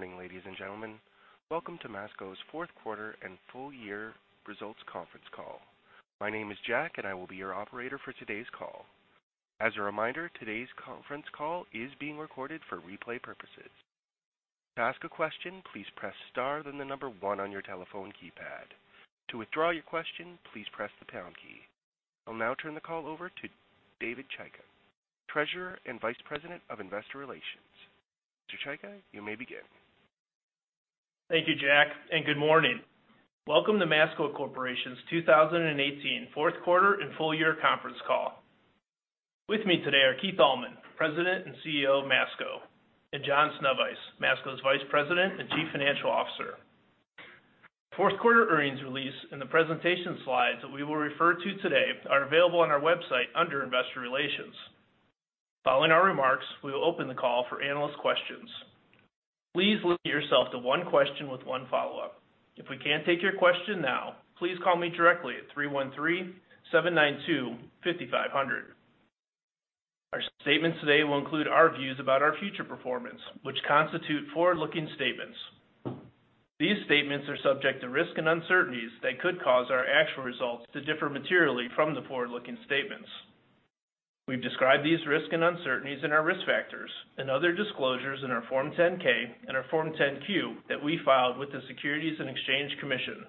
Good morning, ladies and gentlemen. Welcome to Masco's fourth quarter and full-year results conference call. My name is Jack, and I will be your operator for today's call. As a reminder, today's conference call is being recorded for replay purposes. To ask a question, please press star then the number one on your telephone keypad. To withdraw your question, please press the pound key. I'll now turn the call over to David Chaika, Treasurer and Vice President of Investor Relations. Mr. Chaika, you may begin. Thank you, Jack, and good morning. Welcome to Masco Corporation's 2018 fourth quarter and full-year conference call. With me today are Keith Allman, President and CEO of Masco, and John Sznewajs, Masco's Vice President and Chief Financial Officer. Fourth quarter earnings release and the presentation slides that we will refer to today are available on our website under investor relations. Following our remarks, we will open the call for analyst questions. Please limit yourself to one question with one follow-up. If we can't take your question now, please call me directly at 313-792-5500. Our statements today will include our views about our future performance, which constitute forward-looking statements. These statements are subject to risks and uncertainties that could cause our actual results to differ materially from the forward-looking statements. We've described these risks and uncertainties in our risk factors and other disclosures in our Form 10-K and our Form 10-Q that we filed with the Securities and Exchange Commission.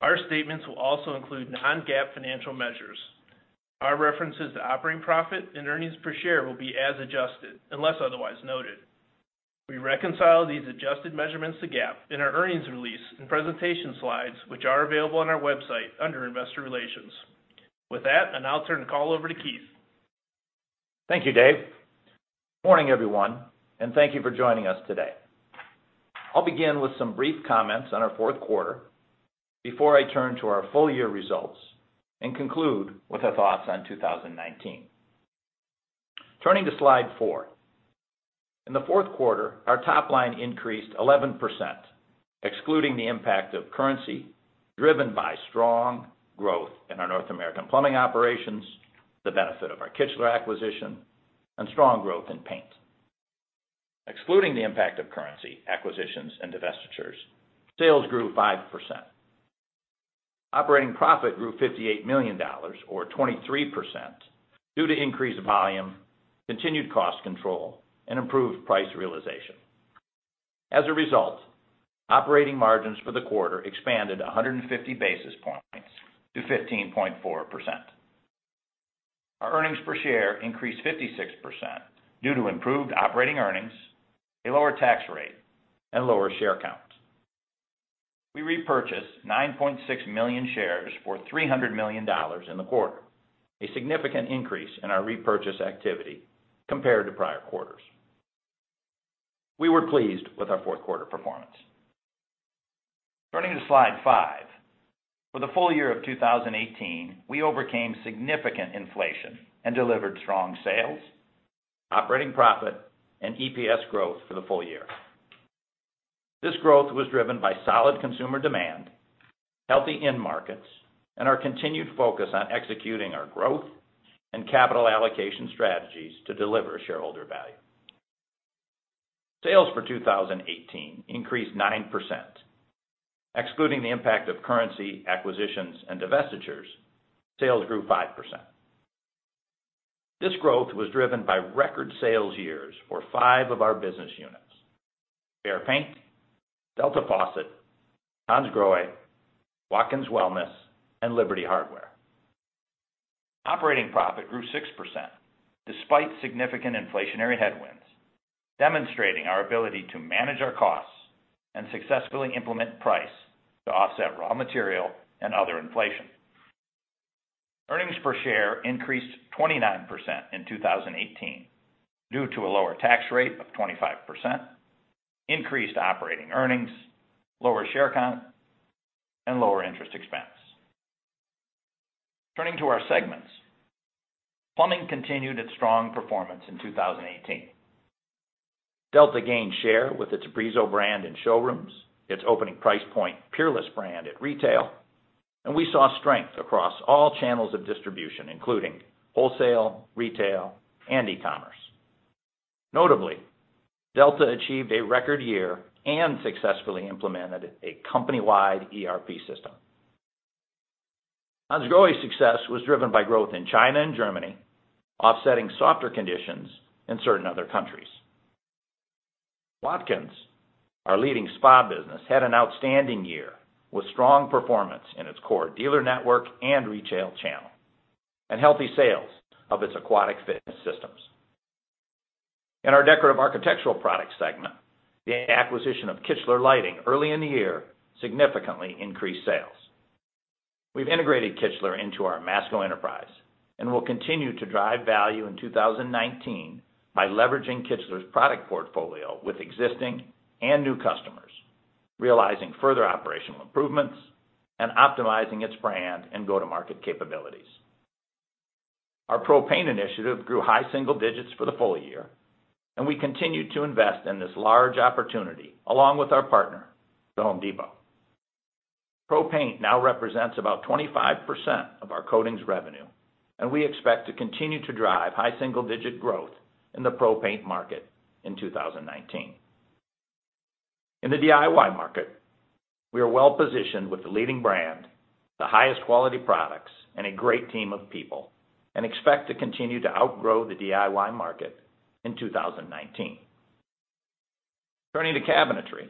Our statements will also include non-GAAP financial measures. Our references to operating profit and earnings per share will be as adjusted, unless otherwise noted. We reconcile these adjusted measurements to GAAP in our earnings release and presentation slides, which are available on our website under investor relations. With that, I'll turn the call over to Keith. Thank you, Dave. Good morning, everyone, and thank you for joining us today. I'll begin with some brief comments on our fourth quarter before I turn to our full-year results and conclude with our thoughts on 2019. Turning to slide four. In the fourth quarter, our top line increased 11%, excluding the impact of currency, driven by strong growth in our North American plumbing operations, the benefit of our Kichler acquisition, and strong growth in paint. Excluding the impact of currency, acquisitions, and divestitures, sales grew 5%. Operating profit grew $58 million, or 23%, due to increased volume, continued cost control, and improved price realization. As a result, operating margins for the quarter expanded 150 basis points to 15.4%. Our earnings per share increased 56% due to improved operating earnings, a lower tax rate, and lower share count. We repurchased 9.6 million shares for $300 million in the quarter, a significant increase in our repurchase activity compared to prior quarters. We were pleased with our fourth quarter performance. Turning to Slide five. For the full-year of 2018, we overcame significant inflation and delivered strong sales, operating profit, and EPS growth for the full-year. This growth was driven by solid consumer demand, healthy end markets, and our continued focus on executing our growth and capital allocation strategies to deliver shareholder value. Sales for 2018 increased 9%. Excluding the impact of currency, acquisitions, and divestitures, sales grew 5%. This growth was driven by record sales years for five of our business units: Behr Paint, Delta Faucet, Hansgrohe, Watkins Wellness, and Liberty Hardware. Operating profit grew 6% despite significant inflationary headwinds, demonstrating our ability to manage our costs and successfully implement price to offset raw material and other inflation. Earnings per share increased 29% in 2018 due to a lower tax rate of 25%, increased operating earnings, lower share count, and lower interest expense. Turning to our segments. Plumbing continued its strong performance in 2018. Delta gained share with its Brizo brand in showrooms, its opening price point Peerless brand at retail, and we saw strength across all channels of distribution, including wholesale, retail, and e-commerce. Notably, Delta achieved a record year and successfully implemented a company-wide ERP system. Hansgrohe's success was driven by growth in China and Germany, offsetting softer conditions in certain other countries. Watkins, our leading spa business, had an outstanding year with strong performance in its core dealer network and retail channel, and healthy sales of its aquatic fitness systems. In our decorative architectural products segment, the acquisition of Kichler Lighting early in the year significantly increased sales. We've integrated Kichler into our Masco enterprise and will continue to drive value in 2019 by leveraging Kichler's product portfolio with existing and new customers, realizing further operational improvements and optimizing its brand and go-to-market capabilities. We continued to invest in this large opportunity, along with our partner, The Home Depot. Pro Paint now represents about 25% of our coatings revenue. We expect to continue to drive high single-digit growth in the Pro Paint market in 2019. In the DIY market, we are well-positioned with the leading brand, the highest quality products, and a great team of people. We expect to continue to outgrow the DIY market in 2019. Turning to cabinetry.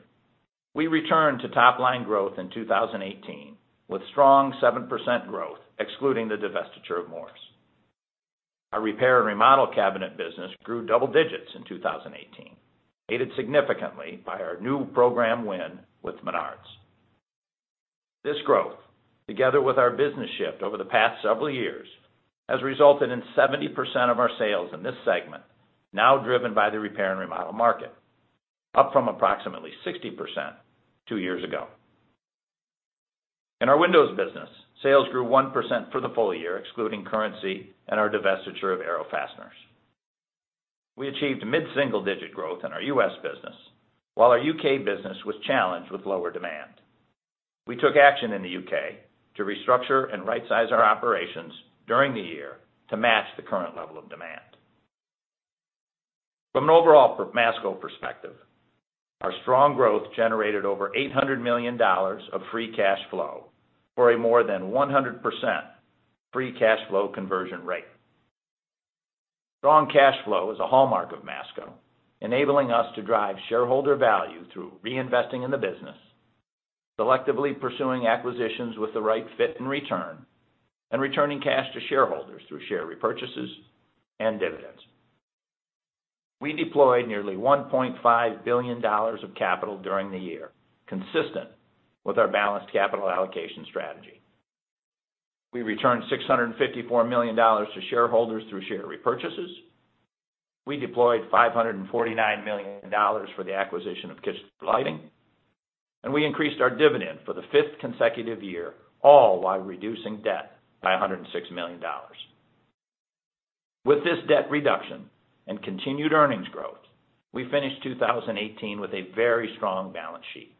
We returned to top-line growth in 2018 with strong 7% growth excluding the divestiture of Moores. Our repair and remodel cabinet business grew double-digits in 2018, aided significantly by our new program win with Menards. This growth, together with our business shift over the past several years, has resulted in 70% of our sales in this segment now driven by the repair and remodel market, up from approximately 60% two years ago. In our windows business, sales grew 1% for the full-year, excluding currency and our divestiture of Arrow Fastener. We achieved mid-single-digit growth in our U.S. business, while our U.K. business was challenged with lower demand. We took action in the U.K. to restructure and right-size our operations during the year to match the current level of demand. From an overall Masco perspective, our strong growth generated over $800 million of free cash flow for a more than 100% free cash flow conversion rate. Strong cash flow is a hallmark of Masco, enabling us to drive shareholder value through reinvesting in the business, selectively pursuing acquisitions with the right fit and return, and returning cash to shareholders through share repurchases and dividends. We deployed nearly $1.5 billion of capital during the year, consistent with our balanced capital allocation strategy. We returned $654 million to shareholders through share repurchases. We deployed $549 million for the acquisition of Kichler Lighting, and we increased our dividend for the fifth consecutive year, all while reducing debt by $106 million. With this debt reduction and continued earnings growth, we finished 2018 with a very strong balance sheet.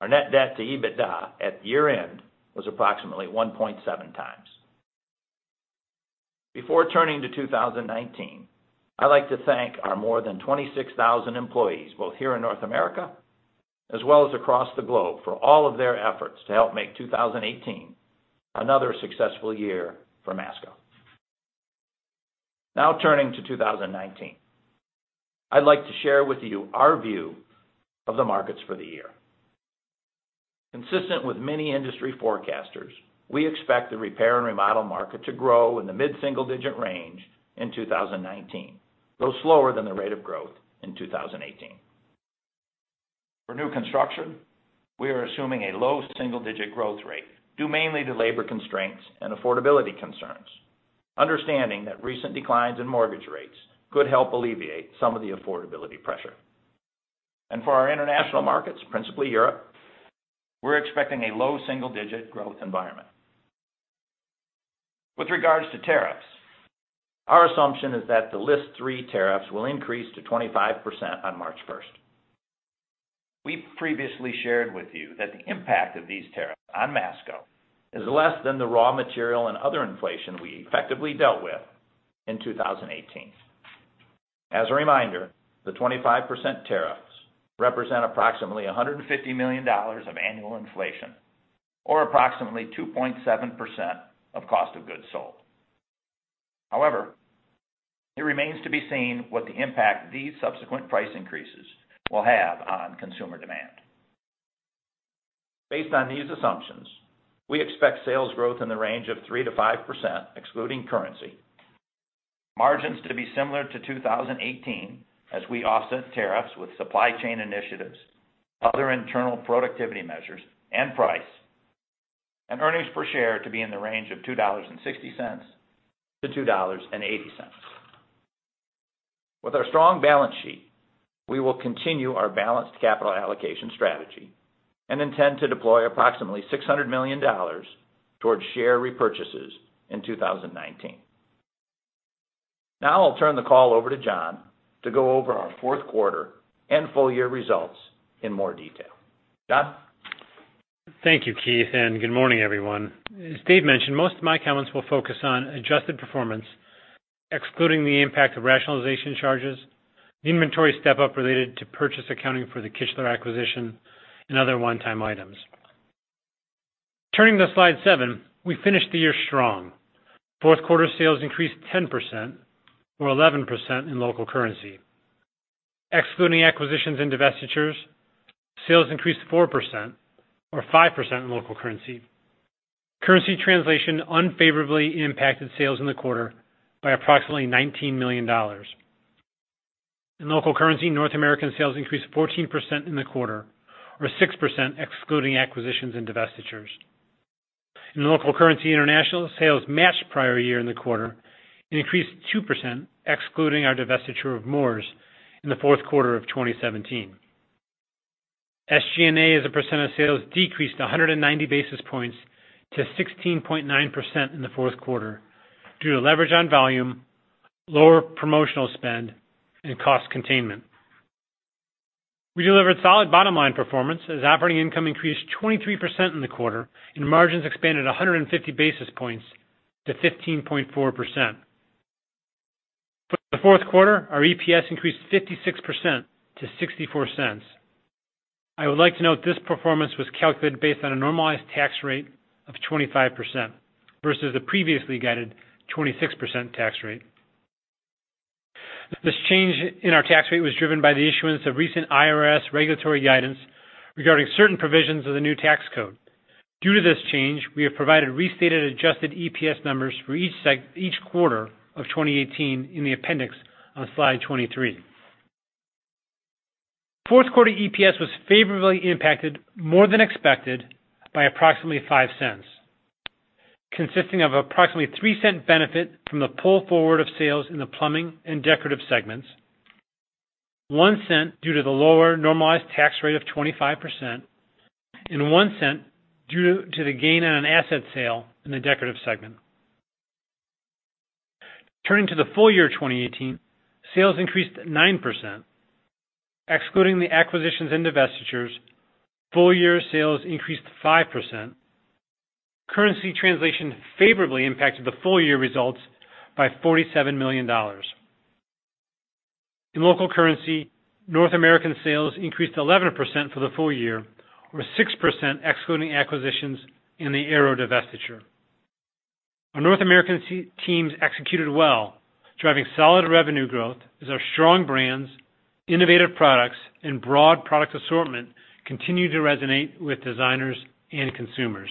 Our net debt to EBITDA at year-end was approximately 1.7x. Before turning to 2019, I'd like to thank our more than 26,000 employees, both here in North America as well as across the globe, for all of their efforts to help make 2018 another successful year for Masco. Now, turning to 2019. I'd like to share with you our view of the markets for the year. Consistent with many industry forecasters, we expect the repair and remodel market to grow in the mid-single-digit range in 2019, though slower than the rate of growth in 2018. For new construction, we are assuming a low single-digit growth rate, due mainly to labor constraints and affordability concerns, understanding that recent declines in mortgage rates could help alleviate some of the affordability pressure. For our international markets, principally Europe, we're expecting a low double-digit growth environment. With regards to tariffs, our assumption is that the List three tariffs will increase to 25% on March 1st. We previously shared with you that the impact of these tariffs on Masco is less than the raw material and other inflation we effectively dealt with in 2018. As a reminder, the 25% tariffs represent approximately $150 million of annual inflation, or approximately 2.7% of cost of goods sold. However, it remains to be seen what the impact these subsequent price increases will have on consumer demand. Based on these assumptions, we expect sales growth in the range of 3%-5%, excluding currency, margins to be similar to 2018 as we offset tariffs with supply chain initiatives, other internal productivity measures, and price, and earnings per share to be in the range of $2.60-$2.80. With our strong balance sheet, we will continue our balanced capital allocation strategy and intend to deploy approximately $600 million towards share repurchases in 2019. I'll turn the call over to John to go over our fourth quarter and full-year results in more detail. John? Thank you, Keith, and good morning, everyone. As Dave mentioned, most of my comments will focus on adjusted performance, excluding the impact of rationalization charges, the inventory step-up related to purchase accounting for the Kichler acquisition, and other one-time items. Turning to Slide seven. We finished the year strong. Fourth quarter sales increased 10%, or 11% in local currency. Excluding acquisitions and divestitures, sales increased 4%, or 5% in local currency. Currency translation unfavorably impacted sales in the quarter by approximately $19 million. In local currency, North American sales increased 14% in the quarter, or 6% excluding acquisitions and divestitures. In local currency international, sales matched prior year in the quarter and increased 2% excluding our divestiture of Moores in the fourth quarter of 2017. SG&A as a percent of sales decreased 190 basis points to 16.9% in the fourth quarter due to leverage on volume, lower promotional spend, and cost containment. We delivered solid bottom-line performance as operating income increased 23% in the quarter, and margins expanded 150 basis points to 15.4%. For the fourth quarter, our EPS increased 56% to $0.64. I would like to note this performance was calculated based on a normalized tax rate of 25%, versus the previously guided 26% tax rate. This change in our tax rate was driven by the issuance of recent IRS regulatory guidance regarding certain provisions of the new tax code. Due to this change, we have provided restated adjusted EPS numbers for each quarter of 2018 in the appendix on Slide 23. Fourth quarter EPS was favorably impacted more than expected by approximately $0.05, consisting of approximately $0.03 benefit from the pull forward of sales in the plumbing and decorative segments, $0.01 due to the lower normalized tax rate of 25%, and $0.01 due to the gain on an asset sale in the decorative segment. Turning to the full-year 2018, sales increased 9%. Excluding the acquisitions and divestitures, full-year sales increased 5%. Currency translation favorably impacted the full-year results by $47 million. In local currency, North American sales increased 11% for the full-year, or 6% excluding acquisitions in the Arrow divestiture. Our North American teams executed well, driving solid revenue growth as our strong brands, innovative products, and broad product assortment continue to resonate with designers and consumers.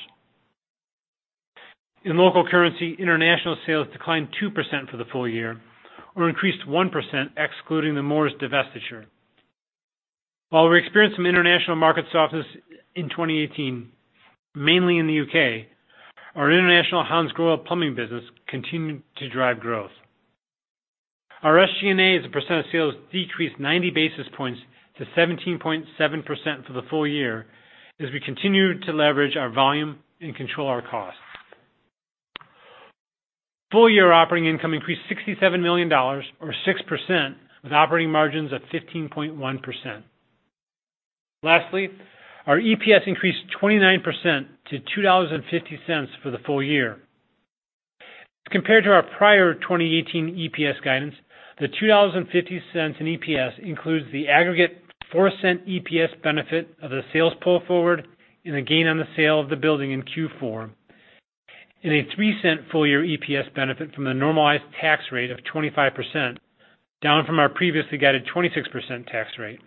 In local currency, international sales declined 2% for the full-year, or increased 1% excluding the Moores divestiture. While we experienced some international market softness in 2018, mainly in the U.K., our international Hansgrohe plumbing business continued to drive growth. Our SG&A as a percent of sales decreased 90 basis points to 17.7% for the full-year, as we continued to leverage our volume and control our costs. Full year operating income increased $67 million or 6%, with operating margins of 15.1%. Lastly, our EPS increased 29% to $2.50 for the full-year. As compared to our prior 2018 EPS guidance, the $2.50 in EPS includes the aggregate $0.04 EPS benefit of the sales pull forward and the gain on the sale of the building in Q4, and a $0.03 full-year EPS benefit from the normalized tax rate of 25%, down from our previously guided 26% tax rate.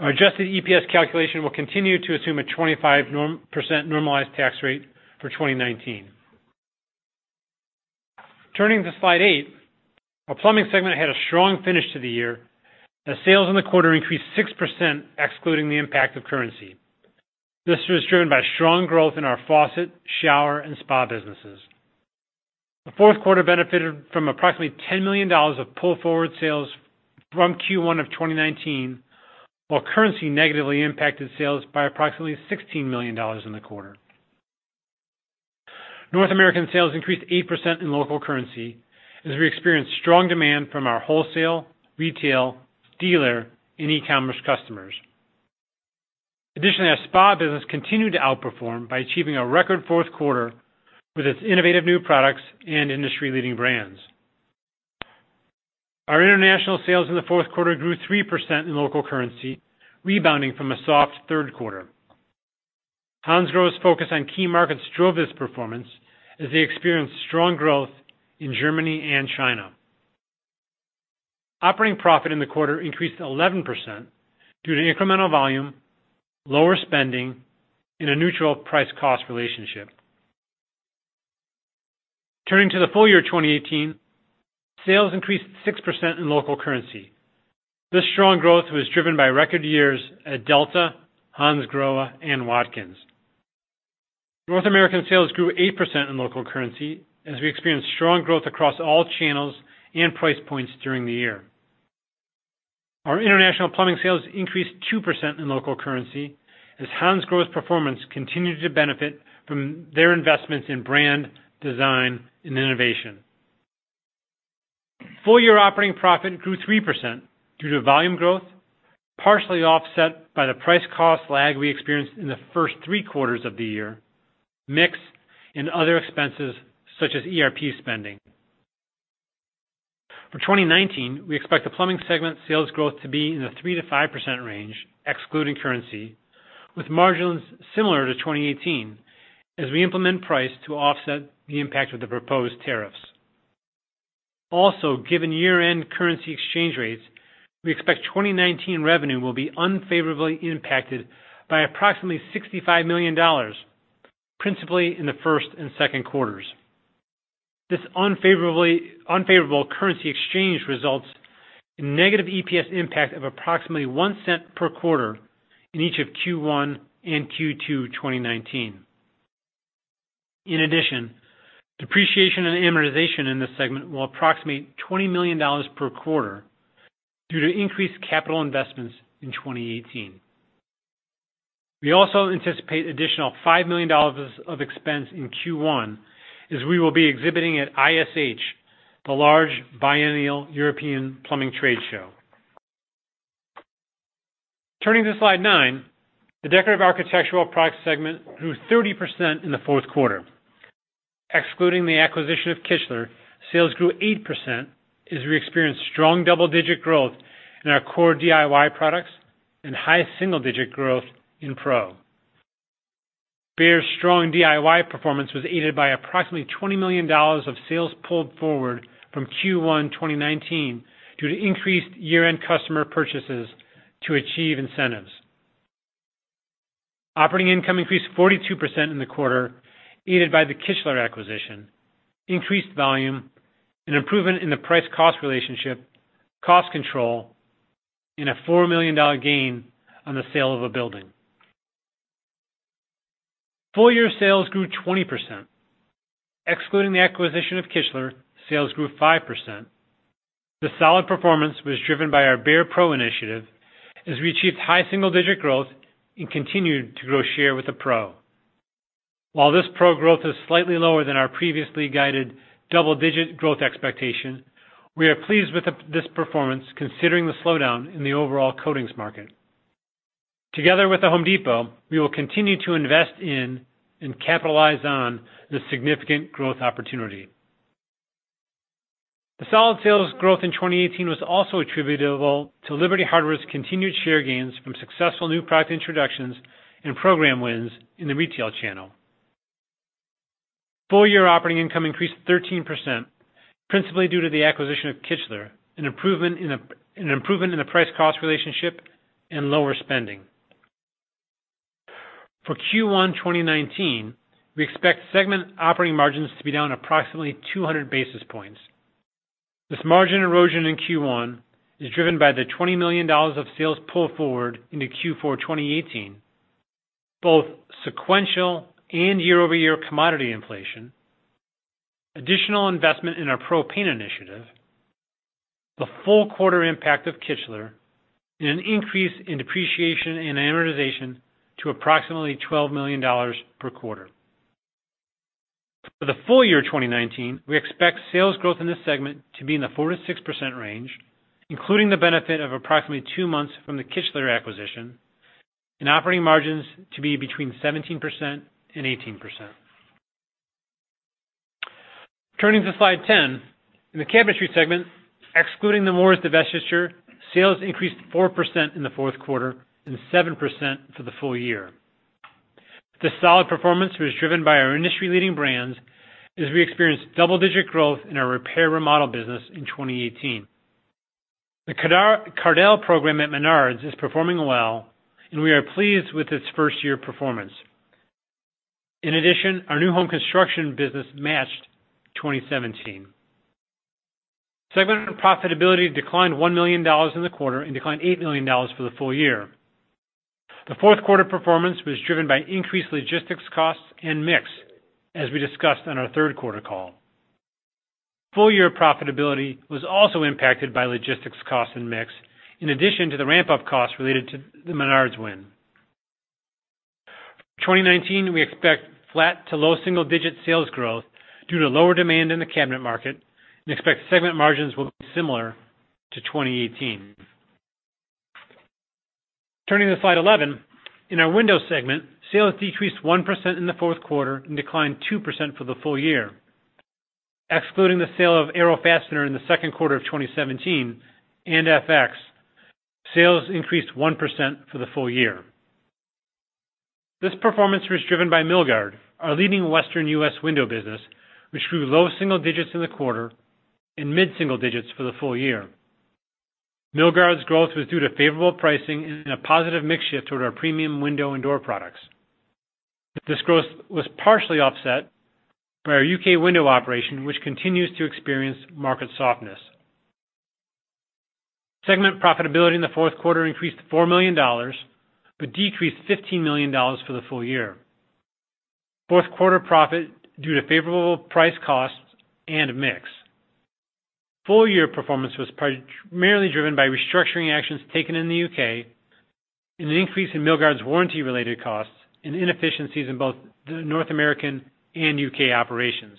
Our adjusted EPS calculation will continue to assume a 25% normalized tax rate for 2019. Turning to slide eight, our plumbing segment had a strong finish to the year, as sales in the quarter increased 6% excluding the impact of currency. This was driven by strong growth in our faucet, shower, and spa businesses. The fourth quarter benefited from approximately $10 million of pull-forward sales from Q1 of 2019, while currency negatively impacted sales by approximately $16 million in the quarter. North American sales increased 8% in local currency, as we experienced strong demand from our wholesale, retail, dealer, and e-commerce customers. Additionally, our spa business continued to outperform by achieving a record fourth quarter with its innovative new products and industry-leading brands. Our international sales in the fourth quarter grew 3% in local currency, rebounding from a soft third quarter. Hansgrohe's focus on key markets drove this performance as they experienced strong growth in Germany and China. Operating profit in the quarter increased 11% due to incremental volume, lower spending, and a neutral price-cost relationship. Turning to the full-year 2018, sales increased 6% in local currency. This strong growth was driven by record years at Delta, Hansgrohe, and Watkins. North American sales grew 8% in local currency as we experienced strong growth across all channels and price points during the year. Our international plumbing sales increased 2% in local currency as Hansgrohe's performance continued to benefit from their investments in brand, design, and innovation. Full-year operating profit grew 3% due to volume growth, partially offset by the price-cost lag we experienced in the first three quarters of the year, mix, and other expenses such as ERP spending. For 2019, we expect the plumbing segment sales growth to be in the 3%-5% range, excluding currency, with margins similar to 2018 as we implement price to offset the impact of the proposed tariffs. Also, given year-end currency exchange rates, we expect 2019 revenue will be unfavorably impacted by approximately $65 million, principally in the first and second quarters. This unfavorable currency exchange results in negative EPS impact of approximately $0.01 per quarter in each of Q1 and Q2 2019. In addition, depreciation and amortization in this segment will approximate $20 million per quarter due to increased capital investments in 2018. We also anticipate additional $5 million of expense in Q1 as we will be exhibiting at ISH, the large biennial European plumbing trade show. Turning to slide nine, the decorative architectural products segment grew 30% in the fourth quarter. Excluding the acquisition of Kichler, sales grew 8% as we experienced strong double-digit growth in our core DIY products and high single-digit growth in pro. Behr's strong DIY performance was aided by approximately $20 million of sales pulled forward from Q1 2019 due to increased year-end customer purchases to achieve incentives. Operating income increased 42% in the quarter, aided by the Kichler acquisition, increased volume, an improvement in the price-cost relationship, cost control, and a $4 million gain on the sale of a building. Full-year sales grew 20%. Excluding the acquisition of Kichler, sales grew 5%. The solid performance was driven by our BEHR PRO initiative as we achieved high single-digit growth and continued to grow share with the pro. While this pro growth is slightly lower than our previously guided double-digit growth expectation, we are pleased with this performance considering the slowdown in the overall coatings market. Together with The Home Depot, we will continue to invest in and capitalize on this significant growth opportunity. The solid sales growth in 2018 was also attributable to Liberty Hardware's continued share gains from successful new product introductions and program wins in the retail channel. Full-year operating income increased 13%, principally due to the acquisition of Kichler, an improvement in the price-cost relationship, and lower spending. For Q1 2019, we expect segment operating margins to be down approximately 200 basis points. This margin erosion in Q1 is driven by the $20 million of sales pull forward into Q4 2018, both sequential and year-over-year commodity inflation, additional investment in our BEHR PRO initiative, the full quarter impact of Kichler, and an increase in depreciation and amortization to approximately $12 million per quarter. For the full-year 2019, we expect sales growth in this segment to be in the 4%-6% range, including the benefit of approximately two months from the Kichler acquisition, and operating margins to be between 17% and 18%. Turning to Slide 10. In the cabinetry segment, excluding the Moores divestiture, sales increased 4% in the fourth quarter and 7% for the full-year. This solid performance was driven by our industry-leading brands as we experienced double-digit growth in our repair and remodel business in 2018. The Cardell program at Menards is performing well, and we are pleased with its first-year performance. In addition, our new home construction business matched 2017. Segment profitability declined $1 million in the quarter and declined $8 million for the full-year. The fourth quarter performance was driven by increased logistics costs and mix, as we discussed on our third quarter call. Full-year profitability was also impacted by logistics costs and mix, in addition to the ramp-up costs related to the Menards win. For 2019, we expect flat to low single-digit sales growth due to lower demand in the cabinet market and expect segment margins will be similar to 2018. Turning to Slide 11. In our windows segment, sales decreased 1% in the fourth quarter and declined 2% for the full-year. Excluding the sale of Arrow Fastener in the second quarter of 2017 and FX, sales increased 1% for the full-year. This performance was driven by Milgard, our leading Western U.S. window business, which grew low single-digits in the quarter and mid-single digits for the full-year. Milgard's growth was due to favorable pricing and a positive mix shift toward our premium window and door products. This growth was partially offset by our U.K. window operation, which continues to experience market softness. Segment profitability in the fourth quarter increased to $4 million but decreased $15 million for the full-year. Fourth quarter profit was due to favorable price costs and mix. Full-year performance was primarily driven by restructuring actions taken in the U.K. and an increase in Milgard's warranty-related costs and inefficiencies in both the North American and U.K. operations.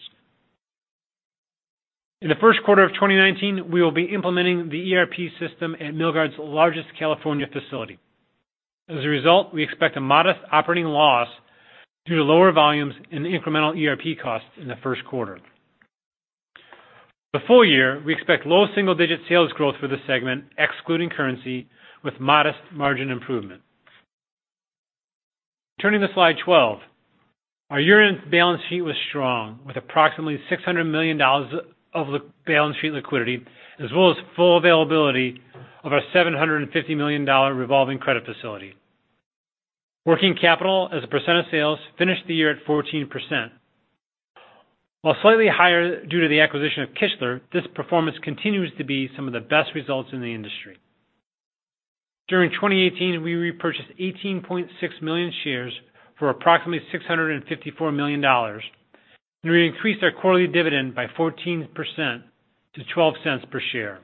In the first quarter of 2019, we will be implementing the ERP system at Milgard's largest California facility. As a result, we expect a modest operating loss due to lower volumes and the incremental ERP costs in the first quarter. For the full-year, we expect low double-digit sales growth for the segment, excluding currency, with modest margin improvement. Turning to Slide 12. Our year-end balance sheet was strong, with approximately $600 million of balance sheet liquidity, as well as full availability of our $750 million revolving credit facility. Working capital as a percent of sales finished the year at 14%. While slightly higher due to the acquisition of Kichler, this performance continues to be some of the best results in the industry. During 2018, we repurchased 18.6 million shares for approximately $654 million. We increased our quarterly dividend by 14% to $0.12 per share.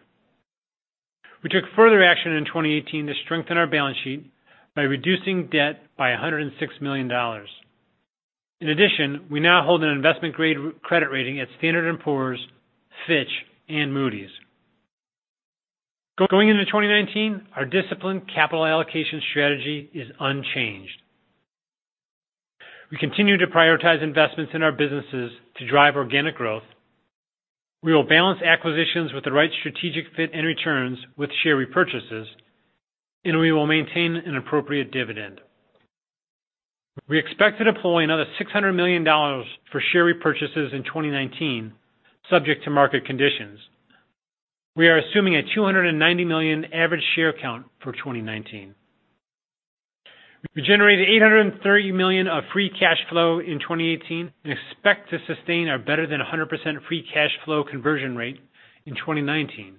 We took further action in 2018 to strengthen our balance sheet by reducing debt by $106 million. In addition, we now hold an investment-grade credit rating at Standard & Poor's, Fitch, and Moody's. Going into 2019, our disciplined capital allocation strategy is unchanged. We continue to prioritize investments in our businesses to drive organic growth. We will balance acquisitions with the right strategic fit and returns with share repurchases. We will maintain an appropriate dividend. We expect to deploy another $600 million for share repurchases in 2019, subject to market conditions. We are assuming a 290 million average share count for 2019. We generated $830 million of free cash flow in 2018. We expect to sustain our better than 100% free cash flow conversion rate in 2019.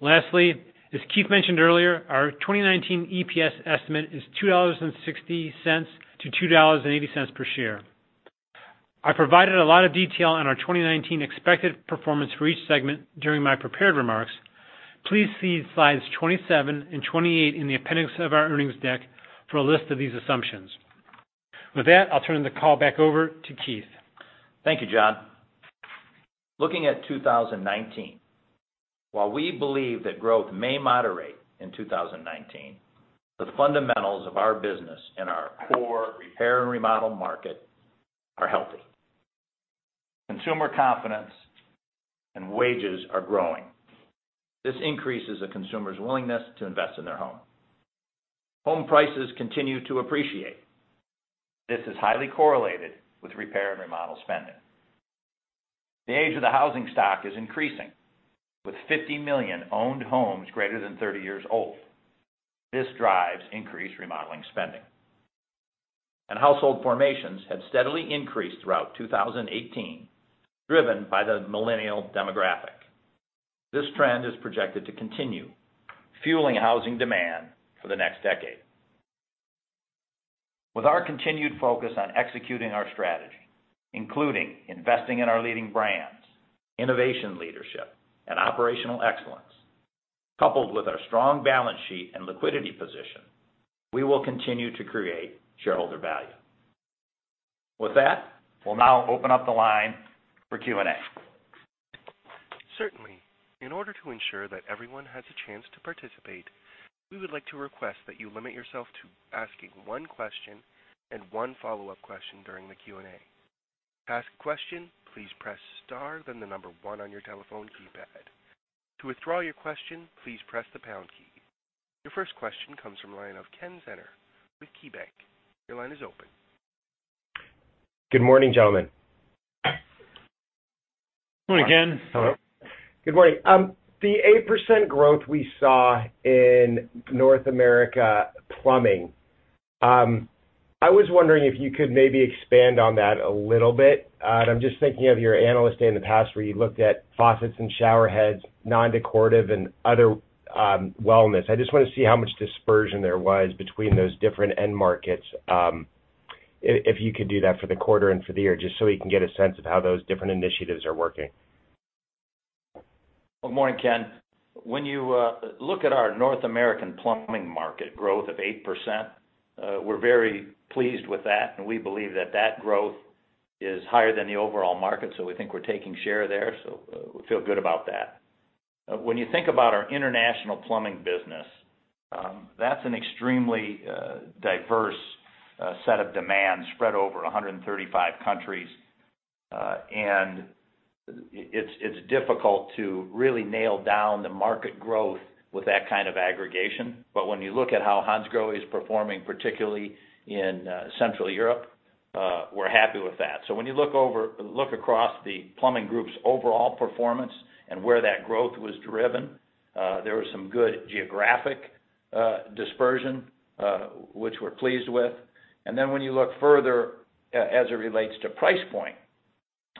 Lastly, as Keith mentioned earlier, our 2019 EPS estimate is $2.60 to $2.80 per share. I provided a lot of detail on our 2019 expected performance for each segment during my prepared remarks. Please see Slides 27 and 28 in the appendix of our earnings deck for a list of these assumptions. With that, I'll turn the call back over to Keith. Thank you, John. Looking at 2019, while we believe that growth may moderate in 2019, the fundamentals of our business and our core repair and remodel market are healthy. Consumer confidence and wages are growing. This increases a consumer's willingness to invest in their home. Home prices continue to appreciate. This is highly correlated with repair and remodel spending. The age of the housing stock is increasing, with 50 million owned homes greater than 30 years old. This drives increased remodeling spending. Household formations have steadily increased throughout 2018, driven by the millennial demographic. This trend is projected to continue, fueling housing demand for the next decade. With our continued focus on executing our strategy, including investing in our leading brands, innovation leadership, and operational excellence, coupled with our strong balance sheet and liquidity position, we will continue to create shareholder value. With that, we'll now open up the line for Q&A. Certainly. In order to ensure that everyone has a chance to participate, we would like to request that you limit yourself to asking one question and one follow-up question during the Q&A. To ask a question, please press star then the number one on your telephone keypad. To withdraw your question, please press the pound key. Your first question comes from the line of Ken Zener with KeyBanc. Your line is open. Good morning, gentlemen. Morning, Ken. Hello. Good morning. The 8% growth we saw in North America plumbing, I was wondering if you could maybe expand on that a little bit. I'm just thinking of your Analyst Day in the past, where you looked at faucets and shower heads, non-decorative, and other wellness. I just want to see how much dispersion there was between those different end markets. If you could do that for the quarter and for the year, just so we can get a sense of how those different initiatives are working. Good morning, Ken. When you look at our North American plumbing market growth of 8%, we're very pleased with that, and we believe that that growth is higher than the overall market. We think we're taking share there, so we feel good about that. When you think about our international plumbing business, that's an extremely diverse set of demands spread over 135 countries. It's difficult to really nail down the market growth with that kind of aggregation. When you look at how Hansgrohe is performing, particularly in Central Europe, we're happy with that. When you look across the plumbing group's overall performance and where that growth was driven, there was some good geographic dispersion, which we're pleased with. When you look further, as it relates to price point,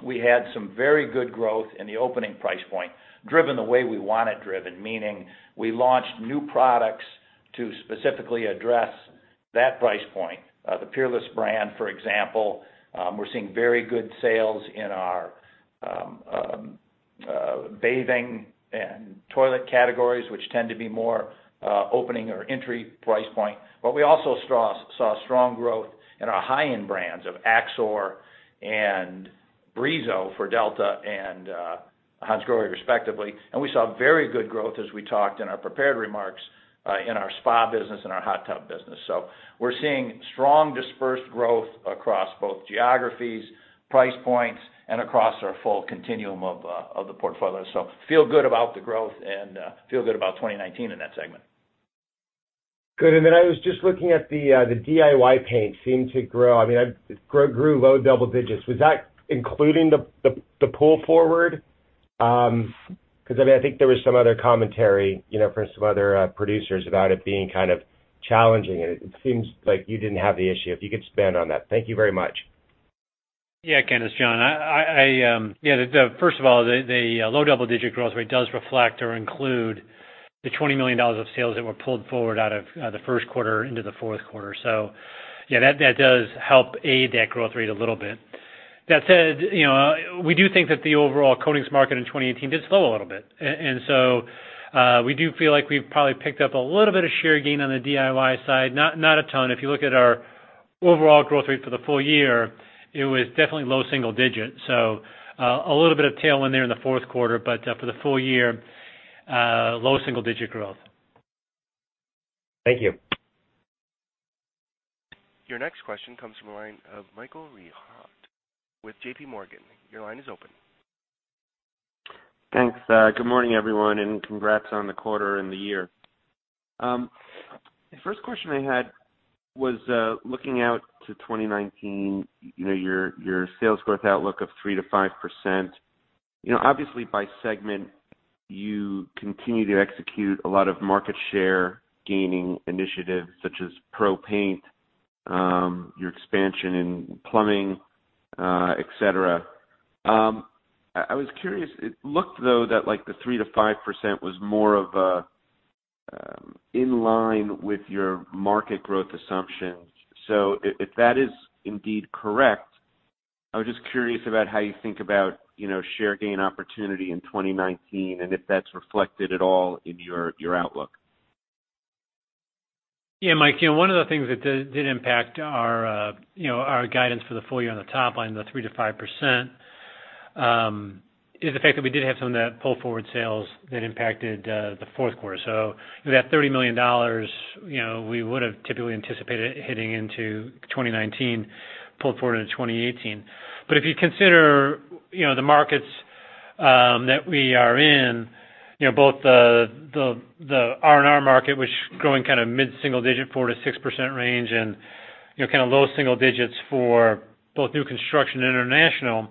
we had some very good growth in the opening price point, driven the way we want it driven, meaning we launched new products to specifically address that price point. The Peerless brand, for example. We're seeing very good sales in our bathing and toilet categories, which tend to be more opening or entry price point. We also saw strong growth in our high-end brands of AXOR and Brizo for Delta and Hansgrohe respectively. We saw very good growth, as we talked in our prepared remarks, in our spa business and our hot tub business. We're seeing strong dispersed growth across both geographies, price points, and across our full continuum of the portfolio. Feel good about the growth and feel good about 2019 in that segment. Good. I was just looking at the DIY paint seemed to grow. It grew low double digits. Was that including the pull forward? I think there was some other commentary, for some other producers about it being kind of challenging, and it seems like you didn't have the issue. If you could expand on that. Thank you very much. Ken. It's John. First of all, the low double-digit growth rate does reflect or include the $20 million of sales that were pulled forward out of the first quarter into the fourth quarter. That does help aid that growth rate a little bit. That said, we do think that the overall coatings market in 2018 did slow a little bit. We do feel like we've probably picked up a little bit of share gain on the DIY side. Not a ton. If you look at our overall growth rate for the full-year, it was definitely low single digits. A little bit of tail in there in the fourth quarter, but for the full-year, low single-digit growth. Thank you. Your next question comes from the line of Michael Rehaut with JPMorgan. Your line is open. Thanks. Good morning, everyone, and congrats on the quarter and the year. The first question I had was looking out to 2019, your sales growth outlook of 3%-5%. Obviously, by segment, you continue to execute a lot of market share gaining initiatives such as BEHR PRO, your expansion in plumbing, et cetera. I was curious, it looked though that the 3%-5% was more of a in line with your market growth assumptions. If that is indeed correct, I was just curious about how you think about share gain opportunity in 2019 and if that's reflected at all in your outlook. Mike, one of the things that did impact our guidance for the full-year on the top line, the 3%-5%, is the fact that we did have some of that pull forward sales that impacted the fourth quarter. That $30 million we would've typically anticipated hitting into 2019, pulled forward into 2018. If you consider the markets that we are in, both the R&R market, which growing kind of mid-single digit, 4%-6% range, and kind of low single digits for both new construction and international.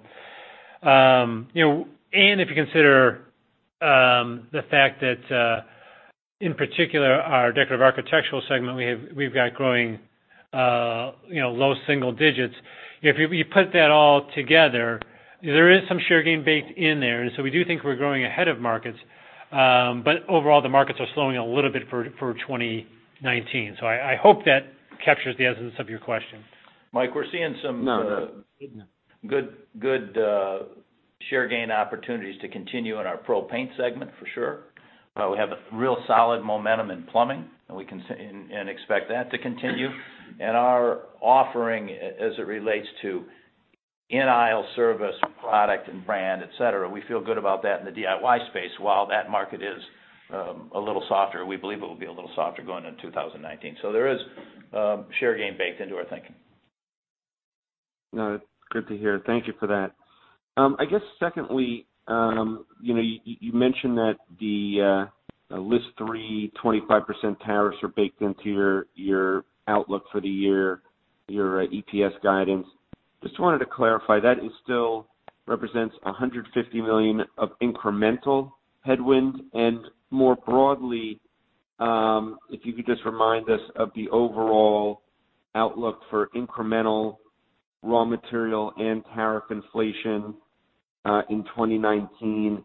If you consider the fact that, in particular, our decorative architectural segment we've got growing low single-digits. If you put that all together, there is some share gain baked in there, we do think we're growing ahead of markets. Overall, the markets are slowing a little bit for 2019. I hope that captures the essence of your question. Mike, we're seeing. No. good share gain opportunities to continue in our pro paint segment for sure. We have a real solid momentum in plumbing, and we can expect that to continue. Our offering as it relates to in-aisle service, product and brand, et cetera, we feel good about that in the DIY space. While that market is a little softer, we believe it will be a little softer going into 2019. There is share gain baked into our thinking. No, good to hear. Thank you for that. I guess secondly, you mentioned that the List 3 25% tariffs are baked into your outlook for the year, your EPS guidance. Just wanted to clarify, that is still represents $150 million of incremental headwind? More broadly, if you could just remind us of the overall outlook for incremental raw material and tariff inflation in 2019,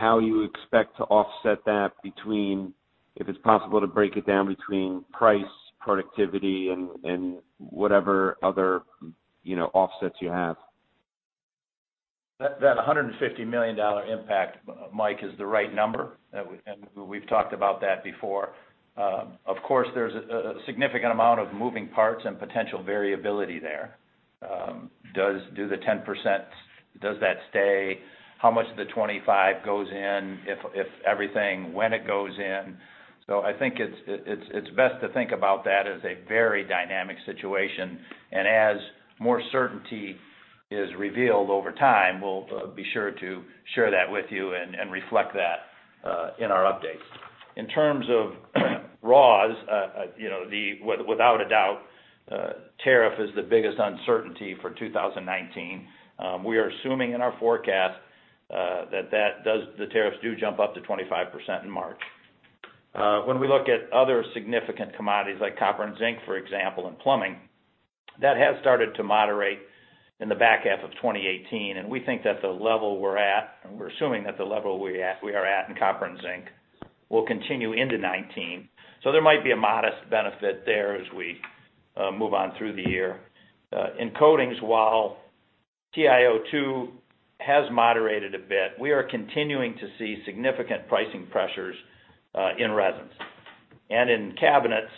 how you expect to offset that between, if it's possible to break it down between price, productivity and whatever other offsets you have. That $150 million impact, Mike, is the right number. We've talked about that before. Of course, there's a significant amount of moving parts and potential variability there. Do the 10%, does that stay? How much of the 25% goes in? If everything, when it goes in? I think it's best to think about that as a very dynamic situation. As more certainty is revealed over time, we'll be sure to share that with you and reflect that in our updates. In terms of raws, without a doubt, tariff is the biggest uncertainty for 2019. We are assuming in our forecast that the tariffs do jump up to 25% in March. When we look at other significant commodities like copper and zinc, for example, in plumbing, that has started to moderate in the back half of 2018. We think that the level we're at, we're assuming that the level we are at in copper and zinc will continue into 2019. There might be a modest benefit there as we move on through the year. In coatings, while TiO2 has moderated a bit, we are continuing to see significant pricing pressures in resins. In cabinets,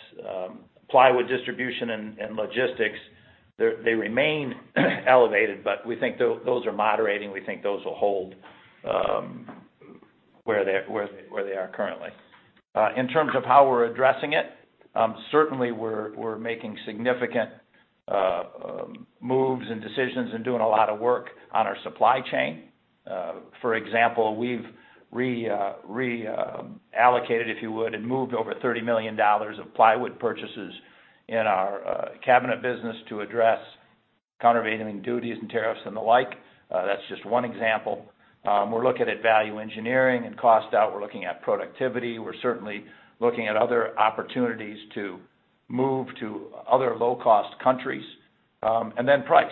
plywood distribution and logistics, they remain elevated, but we think those are moderating. We think those will hold where they are currently. In terms of how we're addressing it, certainly we're making significant moves and decisions and doing a lot of work on our supply chain. For example, we've reallocated, if you would, and moved over $30 million of plywood purchases in our cabinet business to address countervailing duties and tariffs and the like. That's just one example. We're looking at value engineering and cost out. We're looking at productivity. We're certainly looking at other opportunities to move to other low-cost countries. Then price.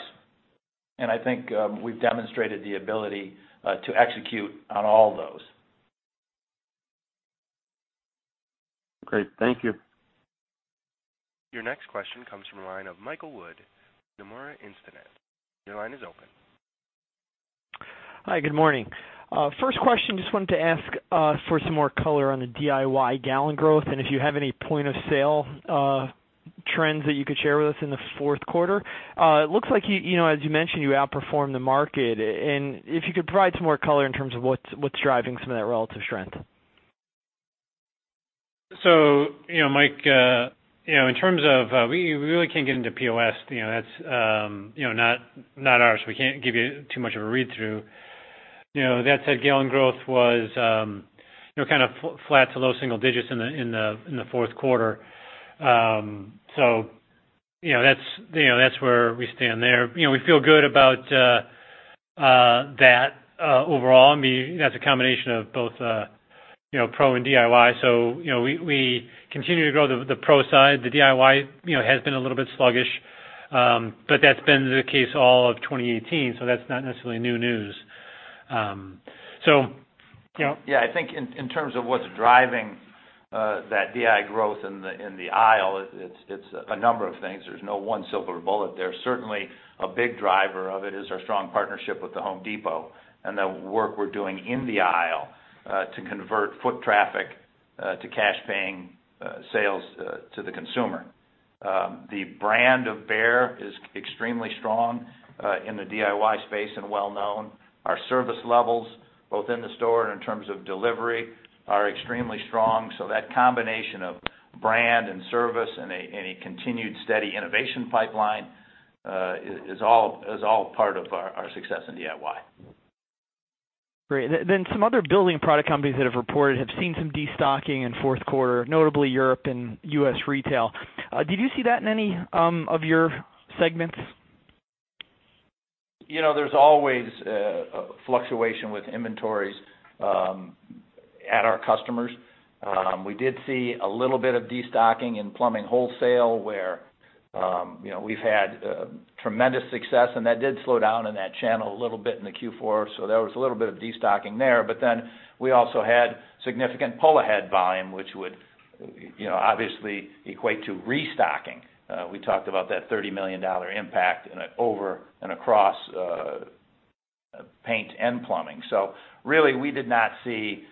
I think we've demonstrated the ability to execute on all those. Great. Thank you. Your next question comes from the line of Michael Wood, Nomura Instinet. Your line is open. Hi, good morning. First question, just wanted to ask for some more color on the DIY gallon growth, if you have any point of sale trends that you could share with us in the fourth quarter. It looks like, as you mentioned, you outperformed the market. If you could provide some more color in terms of what's driving some of that relative strength. Mike, we really can't get into POS. That's not ours, we can't give you too much of a read through. That said, gallon growth was kind of flat to low single digits in the fourth quarter. That's where we stand there. We feel good about that overall. That's a combination of both pro and DIY. We continue to grow the pro side. The DIY has been a little bit sluggish. That's been the case all of 2018, so that's not necessarily new news. Yeah, I think in terms of what's driving that DIY growth in the aisle, it's a number of things. There's no one silver bullet there. Certainly, a big driver of it is our strong partnership with The Home Depot, and the work we're doing in the aisle to convert foot traffic to cash paying sales to the consumer. The brand of Behr is extremely strong in the DIY space and well-known. Our service levels, both in the store and in terms of delivery, are extremely strong. That combination of brand and service and a continued steady innovation pipeline is all part of our success in DIY. Great. Some other building product companies that have reported have seen some destocking in fourth quarter, notably Europe and U.S. retail. Did you see that in any of your segments? There's always fluctuation with inventories at our customers. We did see a little bit of destocking in plumbing wholesale, where we've had tremendous success, and that did slow down in that channel a little bit in the Q4. There was a little bit of destocking there. We also had significant pull ahead volume, which would obviously equate to restocking. We talked about that $30 million impact over and across paint and plumbing. Really, we did not see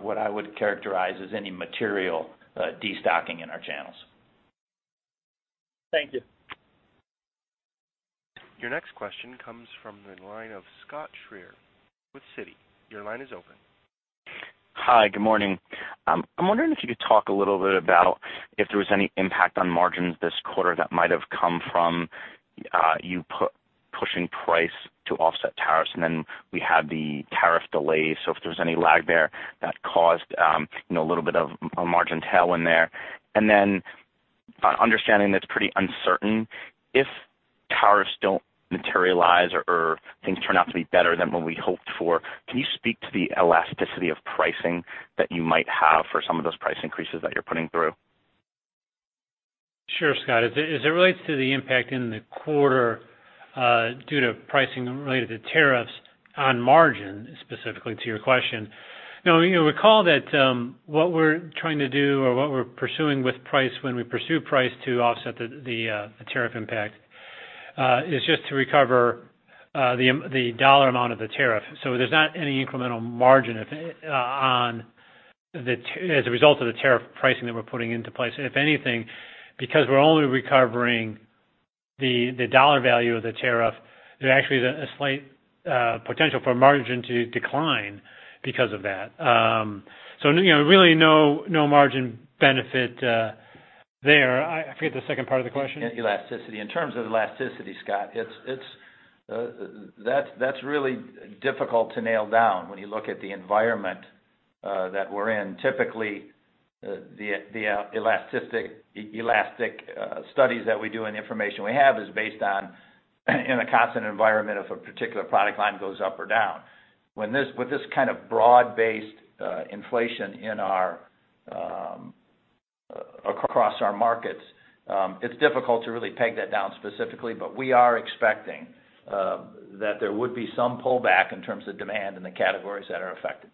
what I would characterize as any material destocking in our channels. Thank you. Your next question comes from the line of Scott Schrier with Citi. Your line is open. Hi, good morning. I'm wondering if you could talk a little bit about if there was any impact on margins this quarter that might have come from you pushing price to offset tariffs, then we had the tariff delays. If there was any lag there that caused a little bit of a margin tail in there. Understanding that's pretty uncertain, if tariffs don't materialize or things turn out to be better than what we hoped for, can you speak to the elasticity of pricing that you might have for some of those price increases that you're putting through? Sure, Scott. As it relates to the impact in the quarter due to pricing related to tariffs on margin, specifically to your question. You'll recall that what we're trying to do or what we're pursuing with price when we pursue price to offset the tariff impact, is just to recover the dollar amount of the tariff. There's not any incremental margin as a result of the tariff pricing that we're putting into place. If anything, because we're only recovering the dollar value of the tariff, there actually is a slight potential for margin to decline because of that. Really no margin benefit there. I forget the second part of the question. Elasticity. In terms of elasticity, Scott, that's really difficult to nail down when you look at the environment that we're in. Typically, the elastic studies that we do and the information we have is based on, in a constant environment, if a particular product line goes up or down. With this kind of broad-based inflation across our markets, it's difficult to really peg that down specifically. We are expecting that there would be some pullback in terms of demand in the categories that are affected.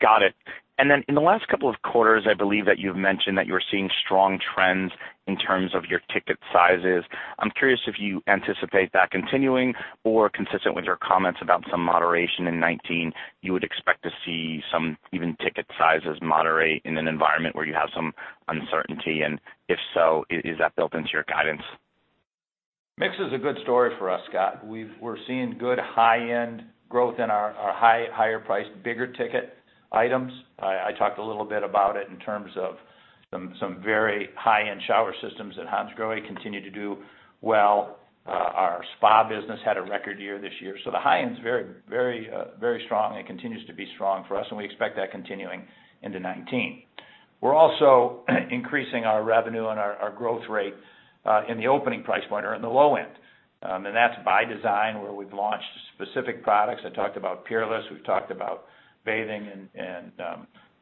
Got it. Then in the last couple of quarters, I believe that you've mentioned that you're seeing strong trends in terms of your ticket sizes. I'm curious if you anticipate that continuing, or consistent with your comments about some moderation in 2019, you would expect to see some even ticket sizes moderate in an environment where you have some uncertainty, and if so, is that built into your guidance? Mix is a good story for us, Scott. We're seeing good high-end growth in our higher priced, bigger ticket items. I talked a little bit about it in terms of some very high-end shower systems that Hansgrohe continue to do well. Our spa business had a record year this year. The high end's very strong and continues to be strong for us, and we expect that continuing into 2019. We're also increasing our revenue and our growth rate in the opening price point or in the low end. That's by design, where we've launched specific products. I talked about Peerless, we've talked about bathing and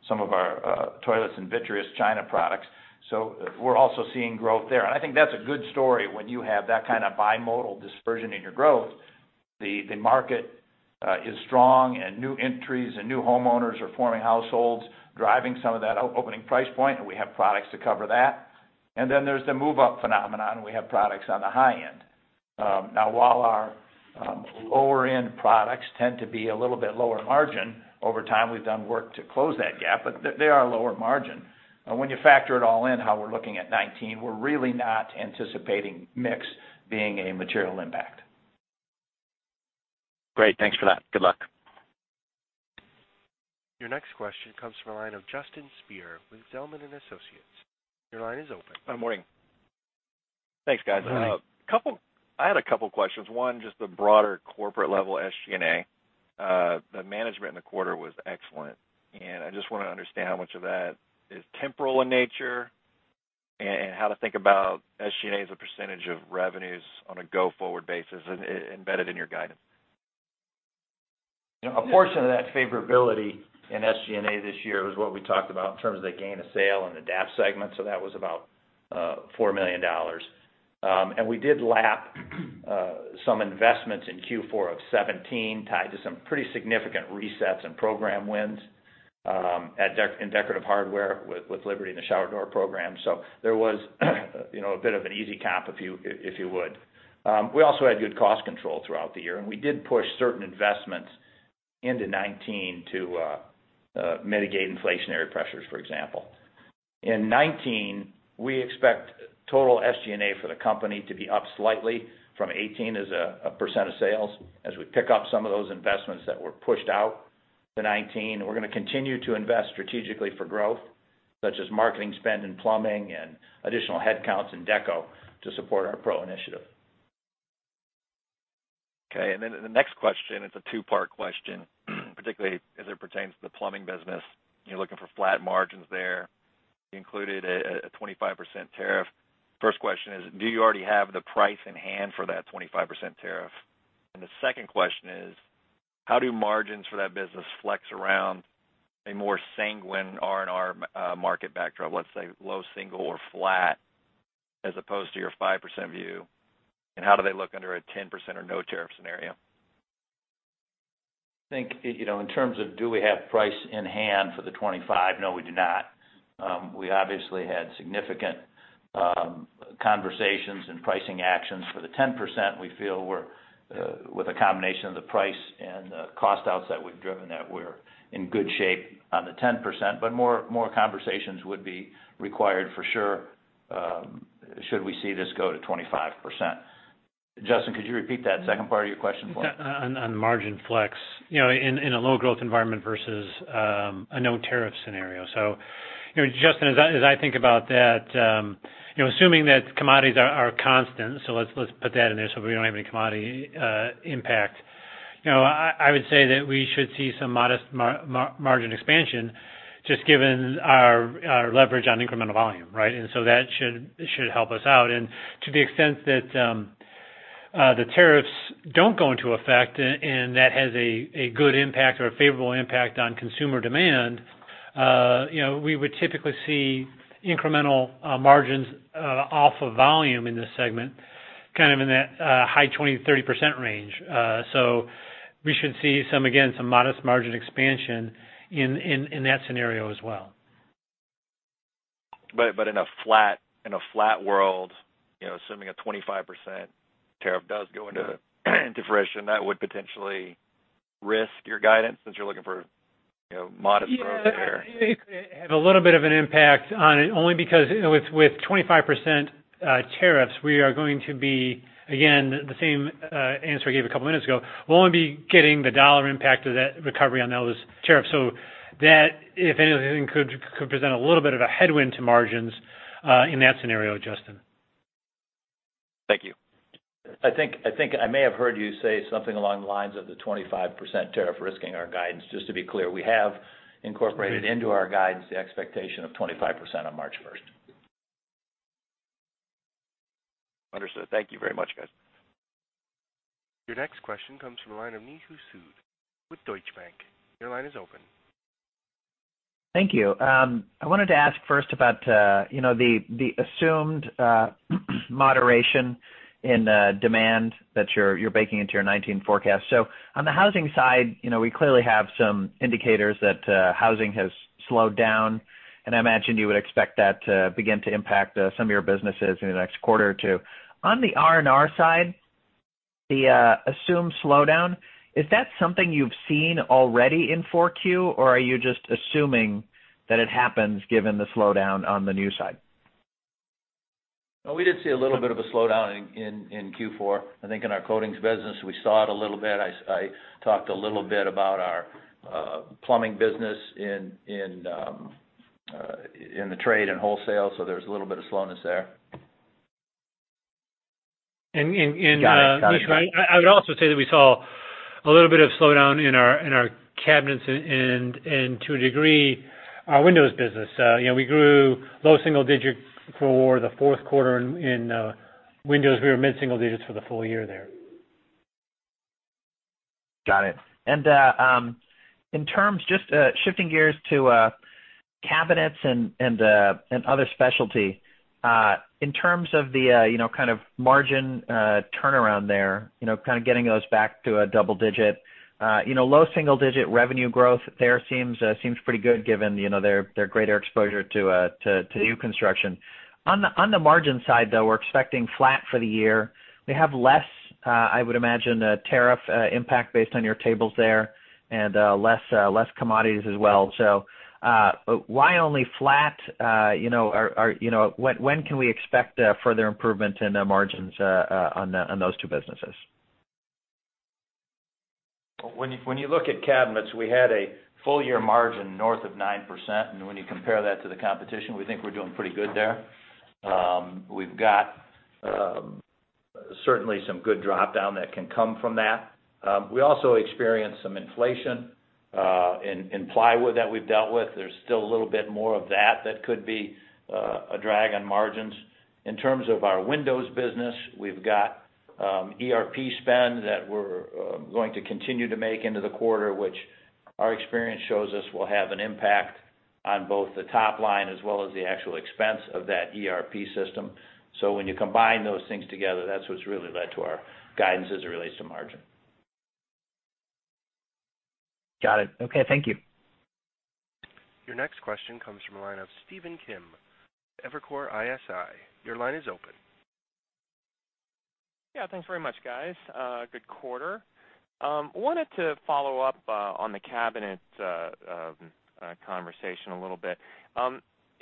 some of our toilets and vitreous china products. We're also seeing growth there. I think that's a good story when you have that kind of bimodal dispersion in your growth. The market is strong and new entries and new homeowners are forming households, driving some of that opening price point, and we have products to cover that. Then there's the move-up phenomenon. We have products on the high end. Now, while our lower-end products tend to be a little bit lower margin, over time we've done work to close that gap, but they are lower margin. When you factor it all in how we're looking at 2019, we're really not anticipating mix being a material impact. Great. Thanks for that. Good luck. Your next question comes from the line of Justin Speer with Zelman & Associates. Your line is open. Good morning. Thanks, guys. Good morning. I had a couple questions. One, just the broader corporate level SG&A. The management in the quarter was excellent, and I just want to understand how much of that is temporal in nature, and how to think about SG&A as a percentage of revenues on a go-forward basis embedded in your guidance. A portion of that favorability in SG&A this year was what we talked about in terms of the gain of sale in the DAP segment, so that was about $4 million. We did lap some investments in Q4 of 2017 tied to some pretty significant resets and program wins in decorative hardware with Liberty and the shower door program. There was a bit of an easy cap, if you would. We also had good cost control throughout the year, and we did push certain investments into 2019 to mitigate inflationary pressures, for example. In 2019, we expect total SG&A for the company to be up slightly from 2018 as a % of sales as we pick up some of those investments that were pushed out to 2019. We're going to continue to invest strategically for growth, such as marketing spend in plumbing and additional headcounts in deco to support our pro initiative. Okay. The next question, it's a two-part question, particularly as it pertains to the plumbing business. You're looking for flat margins there. You included a 25% tariff. First question is, do you already have the price in hand for that 25% tariff? The second question is, how do margins for that business flex around a more sanguine R&R market backdrop, let's say low single or flat, as opposed to your 5% view? How do they look under a 10% or no tariff scenario? I think, in terms of do we have price in hand for the 25%, no, we do not. We obviously had significant conversations and pricing actions for the 10%. We feel with a combination of the price and the cost outs that we've driven that we're in good shape on the 10%, but more conversations would be required for sure should we see this go to 25%. Justin, could you repeat that second part of your question for me? On margin flex. In a low growth environment versus a no tariff scenario. Justin, as I think about that, assuming that commodities are constant, let's put that in there so we don't have any commodity impact. I would say that we should see some modest margin expansion, just given our leverage on incremental volume. Right? That should help us out. To the extent that the tariffs don't go into effect and that has a good impact or a favorable impact on consumer demand, we would typically see incremental margins off of volume in this segment, kind of in that high 20%-30% range. We should see, again, some modest margin expansion in that scenario as well. In a flat world, assuming a 25% tariff does go into fruition, that would potentially risk your guidance since you're looking for modest growth there. Yeah. It could have a little bit of an impact on it only because with 25% tariffs, we are going to be, again, the same answer I gave a couple of minutes ago. We'll only be getting the dollar impact of that recovery on those tariffs. That, if anything, could present a little bit of a headwind to margins in that scenario, Justin. Thank you. I think I may have heard you say something along the lines of the 25% tariff risking our guidance. Just to be clear, we have incorporated into our guidance the expectation of 25% on March 1st. Understood. Thank you very much, guys. Your next question comes from the line of Nishu Sood with Deutsche Bank. Your line is open. Thank you. I wanted to ask first about the assumed moderation in demand that you're baking into your 2019 forecast. On the housing side, we clearly have some indicators that housing has slowed down, and I imagine you would expect that to begin to impact some of your businesses in the next quarter or two. On the R&R side, the assumed slowdown, is that something you've seen already in 4Q, or are you just assuming that it happens given the slowdown on the new side? We did see a little bit of a slowdown in Q4. I think in our coatings business, we saw it a little bit. I talked a little bit about our plumbing business in the trade and wholesale, there's a little bit of slowness there. Nishu- You got it I would also say that we saw a little bit of slowdown in our cabinets and to a degree, our windows business. We grew low single-digit for the fourth quarter in windows. We were mid-single-digits for the full-year there. Got it. Just shifting gears to cabinets and other specialty, in terms of the kind of margin turnaround there, kind of getting those back to a double-digit, low single-digit revenue growth there seems pretty good given their greater exposure to new construction. On the margin side, though, we're expecting flat for the year. We have less, I would imagine, tariff impact based on your tables there and less commodities as well. Why only flat? When can we expect further improvement in the margins on those two businesses? When you look at cabinets, we had a full-year margin north of 9%, and when you compare that to the competition, we think we're doing pretty good there. We've got certainly some good drop-down that can come from that. We also experienced some inflation in plywood that we've dealt with. There's still a little bit more of that that could be a drag on margins. In terms of our windows business, we've got ERP spend that we're going to continue to make into the quarter, which our experience shows us will have an impact on both the top line as well as the actual expense of that ERP system. When you combine those things together, that's what's really led to our guidance as it relates to margin. Got it. Okay. Thank you. Your next question comes from the line of Stephen Kim, Evercore ISI. Your line is open. Yeah, thanks very much, guys. Good quarter. Wanted to follow up on the cabinet conversation a little bit.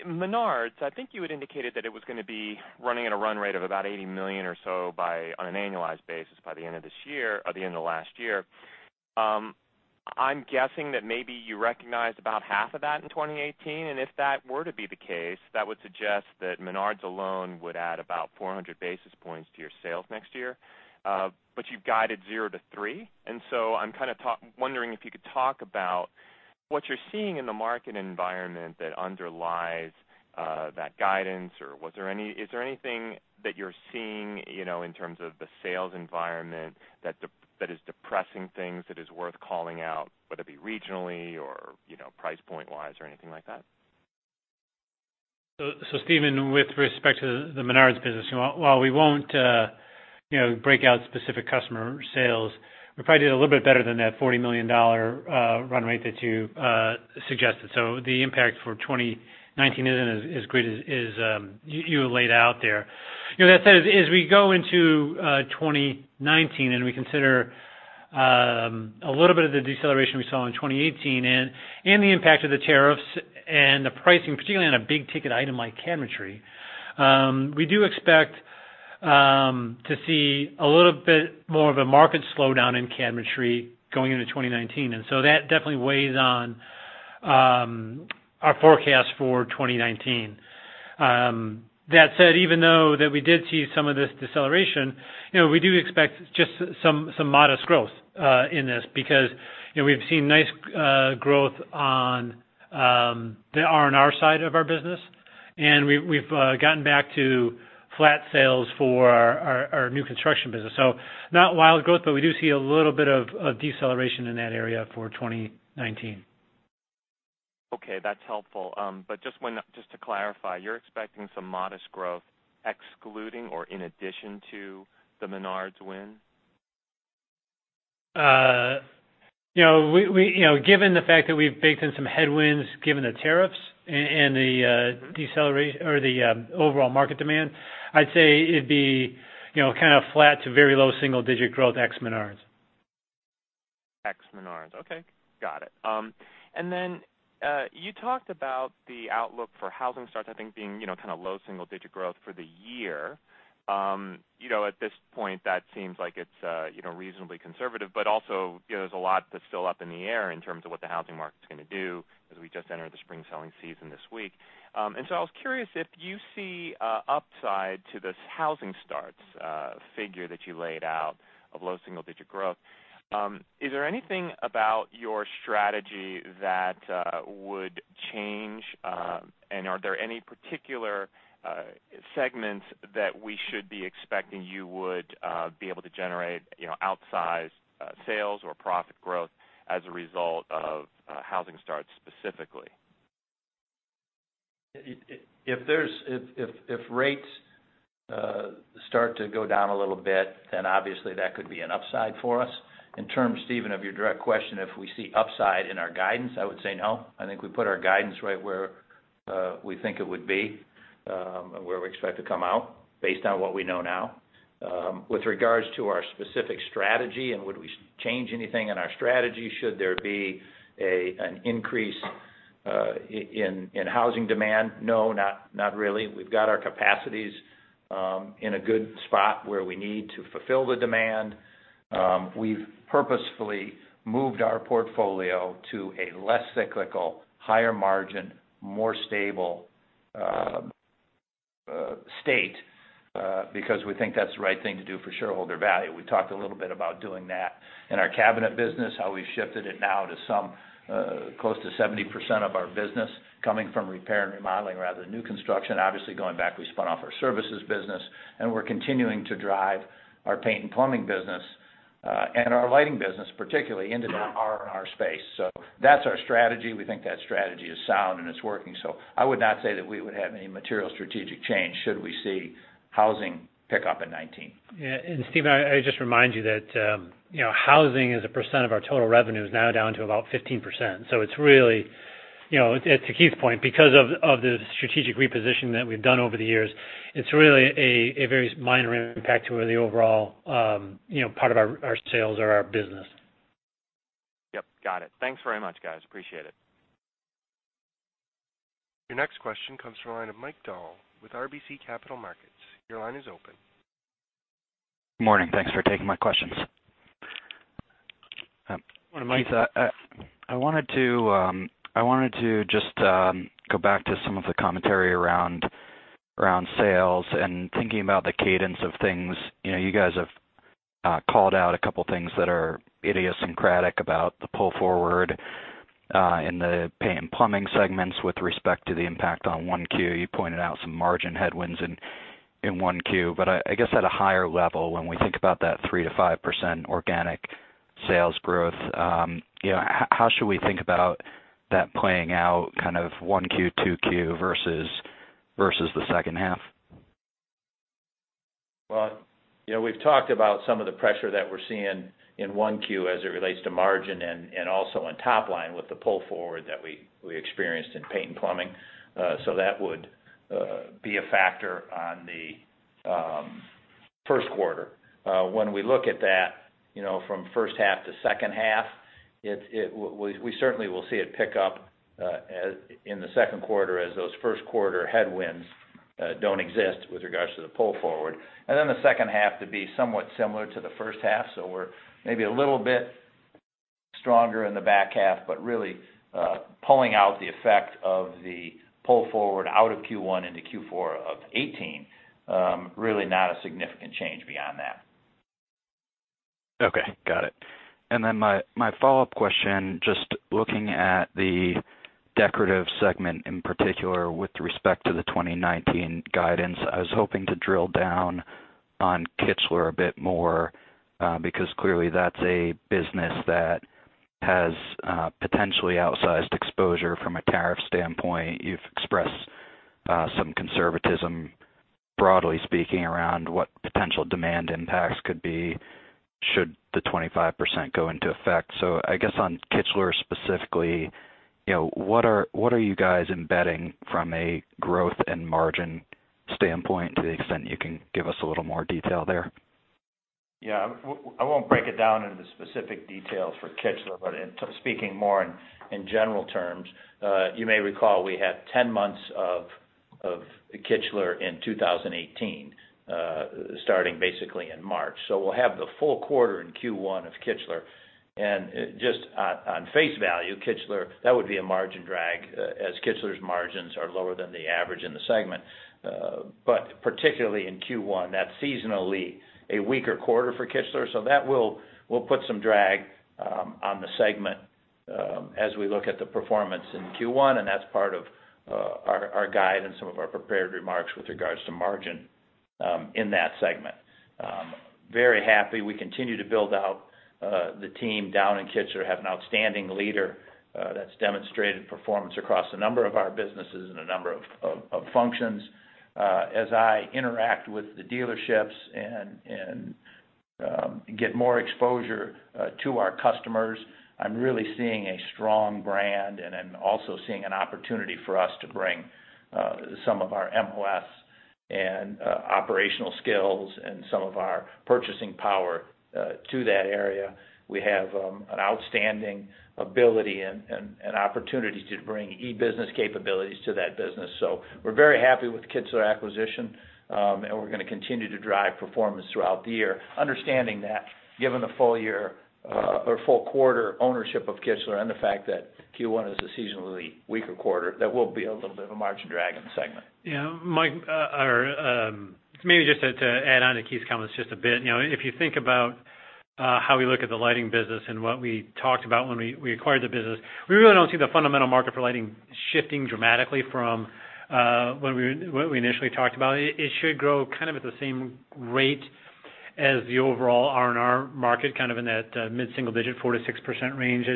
Menards, I think you had indicated that it was going to be running at a run rate of about $80 million or so on an annualized basis by the end of this year or the end of last year. I'm guessing that maybe you recognized about half of that in 2018. If that were to be the case, that would suggest that Menards alone would add about 400 basis points to your sales next year. You've guided 0% to 3%. I'm kind of wondering if you could talk about what you're seeing in the market environment that underlies that guidance, or is there anything that you're seeing in terms of the sales environment that is depressing things that is worth calling out, whether it be regionally or price point wise or anything like that? Stephen, with respect to the Menards business, while we won't break out specific customer sales, we probably did a little bit better than that $40 million run rate that you suggested. The impact for 2019 isn't as great as you laid out there. That said, as we go into 2019 and we consider a little bit of the deceleration we saw in 2018 and the impact of the tariffs and the pricing, particularly on a big-ticket item like cabinetry, we do expect to see a little bit more of a market slowdown in cabinetry going into 2019. That definitely weighs on our forecast for 2019. Even though that we did see some of this deceleration, we do expect just some modest growth in this because we've seen nice growth on the R&R side of our business, and we've gotten back to flat sales for our new construction business. Not wild growth, but we do see a little bit of deceleration in that area for 2019. Okay, that's helpful. Just to clarify, you're expecting some modest growth excluding or in addition to the Menards win? Given the fact that we've baked in some headwinds, given the tariffs and the deceleration or the overall market demand, I'd say it'd be kind of flat to very low-single-digit growth ex Menards. Ex Menards. Okay, got it. You talked about the outlook for housing starts, I think being kind of low-single-digit growth for the year. At this point that seems like it's reasonably conservative, but also there's a lot that's still up in the air in terms of what the housing market's going to do as we just entered the spring selling season this week. I was curious if you see upside to this housing starts figure that you laid out of low-single-digit growth. Is there anything about your strategy that would change? Are there any particular segments that we should be expecting you would be able to generate outsized sales or profit growth as a result of housing starts specifically? If rates start to go down a little bit, obviously that could be an upside for us. In terms, Stephen, of your direct question, if we see upside in our guidance, I would say no. I think we put our guidance right where we think it would be, where we expect to come out based on what we know now. With regards to our specific strategy and would we change anything in our strategy should there be an increase in housing demand? No, not really. We've got our capacities in a good spot where we need to fulfill the demand. We've purposefully moved our portfolio to a less cyclical, higher margin, more stable state because we think that's the right thing to do for shareholder value. We talked a little bit about doing that in our cabinet business. We've shifted it now to close to 70% of our business coming from repair and remodeling rather than new construction. Obviously, going back, we spun off our services business, and we're continuing to drive our paint and plumbing business, and our lighting business particularly into the R&R space. That's our strategy. We think that strategy is sound and it's working. I would not say that we would have any material strategic change should we see housing pick up in 2019. Yeah. Stephen, I just remind you that housing as a percent of our total revenue is now down to about 15%. To Keith's point, because of the strategic reposition that we've done over the years, it's really a very minor impact to where the overall part of our sales or our business. Yep, got it. Thanks very much, guys. Appreciate it. Your next question comes from the line of Mike Dahl with RBC Capital Markets. Your line is open. Morning. Thanks for taking my questions. Morning, Mike. Keith, I wanted to just go back to some of the commentary around sales and thinking about the cadence of things. You guys have called out a couple things that are idiosyncratic about the pull forward in the paint and plumbing segments with respect to the impact on 1Q. You pointed out some margin headwinds in 1Q. I guess at a higher level, when we think about that 3%-5% organic sales growth, how should we think about that playing out kind of 1Q, 2Q, versus the second half? We've talked about some of the pressure that we're seeing in 1Q as it relates to margin and also on top line with the pull forward that we experienced in paint and plumbing. That would be a factor on the first quarter. When we look at that from first half to second half, we certainly will see it pick up in the second quarter as those first quarter headwinds don't exist with regards to the pull forward. The second half to be somewhat similar to the first half. We're maybe a little bit stronger in the back half, but really pulling out the effect of the pull forward out of Q1 into Q4 of 2018, really not a significant change beyond that. Okay. Got it. My follow-up question, just looking at the decorative segment in particular with respect to the 2019 guidance, I was hoping to drill down on Kichler a bit more, because clearly that's a business that has potentially outsized exposure from a tariff standpoint. You've expressed some conservatism, broadly speaking, around what potential demand impacts could be should the 25% go into effect. I guess on Kichler specifically, what are you guys embedding from a growth and margin standpoint to the extent you can give us a little more detail there? Yeah. I won't break it down into the specific details for Kichler, but speaking more in general terms, you may recall we had 10 months of Kichler in 2018, starting basically in March. We'll have the full quarter in Q1 of Kichler. Just on face value, Kichler, that would be a margin drag, as Kichler's margins are lower than the average in the segment. Particularly in Q1, that's seasonally a weaker quarter for Kichler, that will put some drag on the segment as we look at the performance in Q1, and that's part of our guide and some of our prepared remarks with regards to margin in that segment. Very happy we continue to build out the team down in Kichler, have an outstanding leader that's demonstrated performance across a number of our businesses and a number of functions. As I interact with the dealerships and get more exposure to our customers, I'm really seeing a strong brand and am also seeing an opportunity for us to bring some of our MOS and operational skills and some of our purchasing power to that area. We have an outstanding ability and opportunity to bring e-business capabilities to that business. We're very happy with the Kichler acquisition, we're going to continue to drive performance throughout the year, understanding that given the full quarter ownership of Kichler and the fact that Q1 is a seasonally weaker quarter, that will be a little bit of a margin drag on the segment. Yeah. Mike, maybe just to add on to Keith's comments just a bit. If you think about how we look at the lighting business and what we talked about when we acquired the business, we really don't see the fundamental market for lighting shifting dramatically from what we initially talked about. It should grow kind of at the same rate as the overall R&R market, kind of in that mid-single digit, 4%-6% range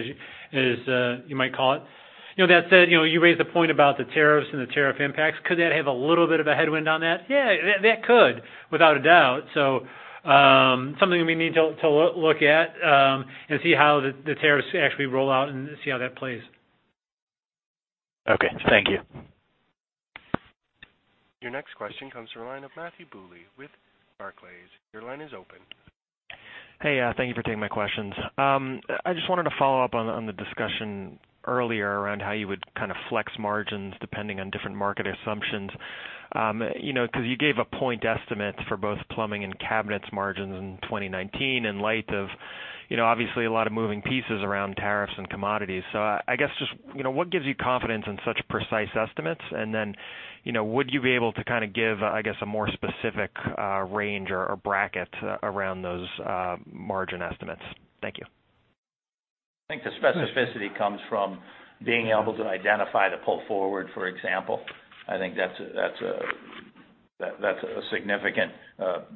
as you might call it. You raised a point about the tariffs and the tariff impacts. Could that have a little bit of a headwind on that? Yeah, that could, without a doubt. Something we need to look at and see how the tariffs actually roll out and see how that plays. Okay. Thank you. Your next question comes from the line of Matthew Bouley with Barclays. Your line is open. Hey, thank you for taking my questions. I just wanted to follow up on the discussion earlier around how you would kind of flex margins depending on different market assumptions, because you gave a point estimate for both plumbing and cabinets margins in 2019 in light of obviously a lot of moving pieces around tariffs and commodities. I guess just what gives you confidence in such precise estimates? Would you be able to kind of give, I guess, a more specific range or bracket around those margin estimates? Thank you. I think the specificity comes from being able to identify the pull forward, for example. I think that's a significant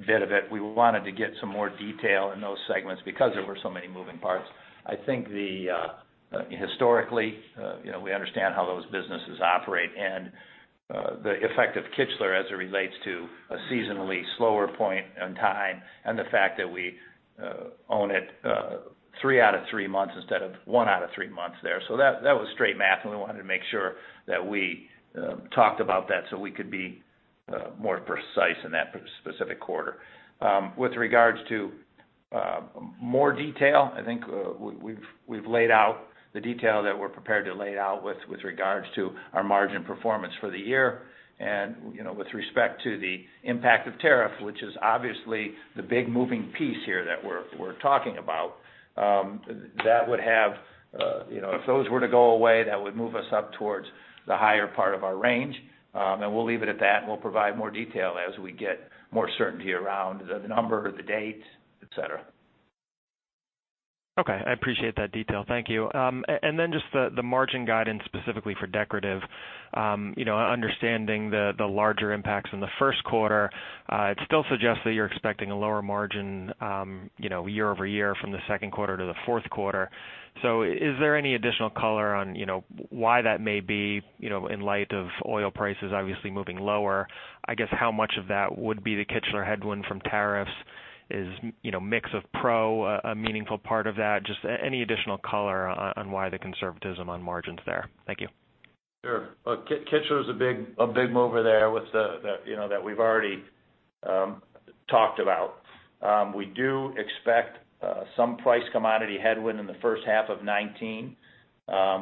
bit of it. We wanted to get some more detail in those segments because there were so many moving parts. I think historically, we understand how those businesses operate and the effect of Kichler as it relates to a seasonally slower point in time, and the fact that we own it three out of three months instead of one out of three months there. That was straight math, and we wanted to make sure that we talked about that so we could be more precise in that specific quarter. With regards to more detail, I think we've laid out the detail that we're prepared to lay out with regards to our margin performance for the year. With respect to the impact of tariff, which is obviously the big moving piece here that we're talking about, if those were to go away, that would move us up towards the higher part of our range. We'll leave it at that, and we'll provide more detail as we get more certainty around the number, the date, et cetera. Okay. I appreciate that detail. Thank you. Then just the margin guidance specifically for decorative. Understanding the larger impacts in the first quarter, it still suggests that you're expecting a lower margin year-over-year from the second quarter to the fourth quarter. Is there any additional color on why that may be in light of oil prices obviously moving lower? I guess how much of that would be the Kichler headwind from tariffs? Is mix of pro a meaningful part of that? Just any additional color on why the conservatism on margins there. Thank you. Sure. Look, Kichler's a big mover there that we've already talked about. We do expect some price commodity headwind in the first half of 2019.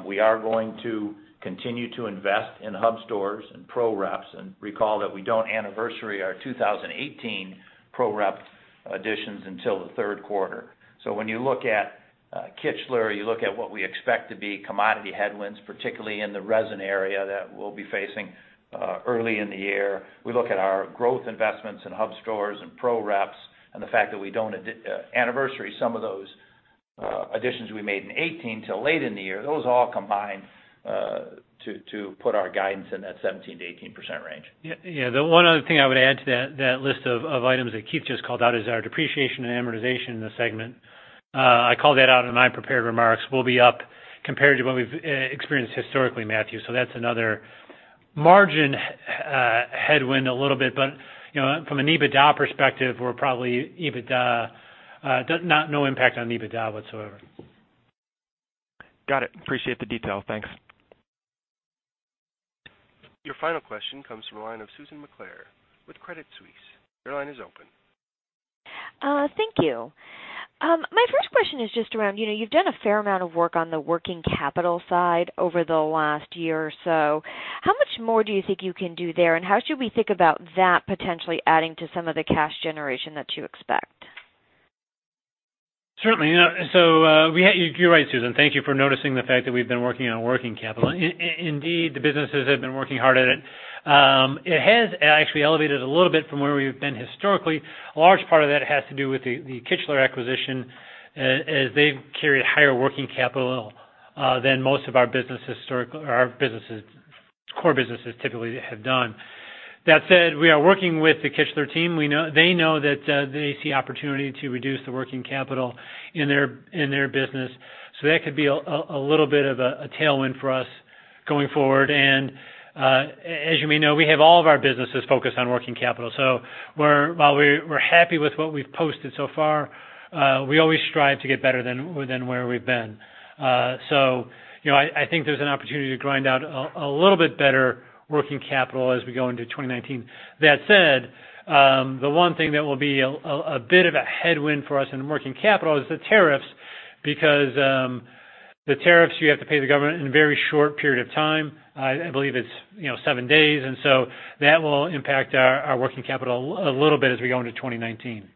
We are going to continue to invest in hub stores and pro reps, and recall that we don't anniversary our 2018 pro rep additions until the third quarter. When you look at Kichler, you look at what we expect to be commodity headwinds, particularly in the resin area that we'll be facing early in the year. We look at our growth investments in hub stores and pro reps, and the fact that we don't anniversary some of those additions we made in 2018 till late in the year. Those all combine to put our guidance in that 17%-18% range. Yeah. The one other thing I would add to that list of items that Keith just called out is our depreciation and amortization in the segment. I called that out in my prepared remarks. We'll be up compared to what we've experienced historically, Matthew. That's another margin headwind a little bit, but from an EBITDA perspective, no impact on EBITDA whatsoever. Got it. Appreciate the detail. Thanks. Your final question comes from the line of Susan Maklari with Credit Suisse. Your line is open. Thank you. My first question is just around, you've done a fair amount of work on the working capital side over the last year or so. How much more do you think you can do there, and how should we think about that potentially adding to some of the cash generation that you expect? Certainly. You are right, Susan Maklari. Thank you for noticing the fact that we've been working on working capital. Indeed, the businesses have been working hard at it. It has actually elevated a little bit from where we've been historically. A large part of that has to do with the Kichler acquisition, as they carry a higher working capital than most of our core businesses typically have done. That said, we are working with the Kichler team. They know that they see opportunity to reduce the working capital in their business. That could be a little bit of a tailwind for us going forward. As you may know, we have all of our businesses focused on working capital. While we're happy with what we've posted so far, we always strive to get better than where we've been. I think there's an opportunity to grind out a little bit better working capital as we go into 2019. That said, the one thing that will be a bit of a headwind for us in working capital is the tariffs, because, the tariffs you have to pay the government in a very short period of time. I believe it's seven days, and so that will impact our working capital a little bit as we go into 2019.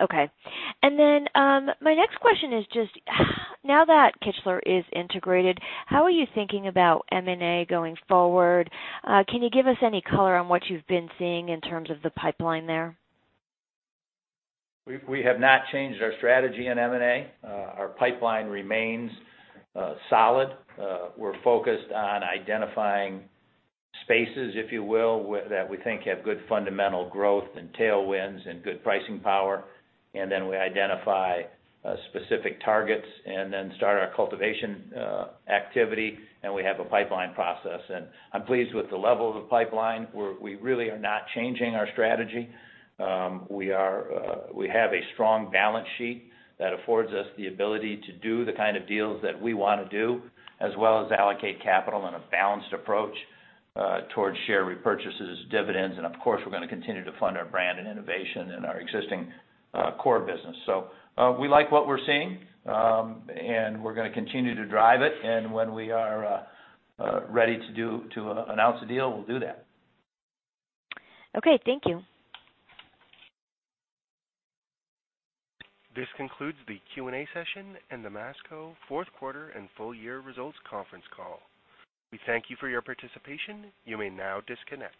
Okay. My next question is just now that Kichler is integrated, how are you thinking about M&A going forward? Can you give us any color on what you've been seeing in terms of the pipeline there? We have not changed our strategy in M&A. Our pipeline remains solid. We're focused on identifying spaces, if you will, that we think have good fundamental growth and tailwinds and good pricing power, and then we identify specific targets and then start our cultivation activity, and we have a pipeline process. I'm pleased with the level of the pipeline. We really are not changing our strategy. We have a strong balance sheet that affords us the ability to do the kind of deals that we want to do, as well as allocate capital in a balanced approach towards share repurchases, dividends, and of course, we're going to continue to fund our brand and innovation in our existing core business. We like what we're seeing, and we're going to continue to drive it. When we are ready to announce a deal, we'll do that. Okay. Thank you. This concludes the Q&A session and the Masco fourth quarter and full-year results conference Call. We thank you for your participation. You may now disconnect.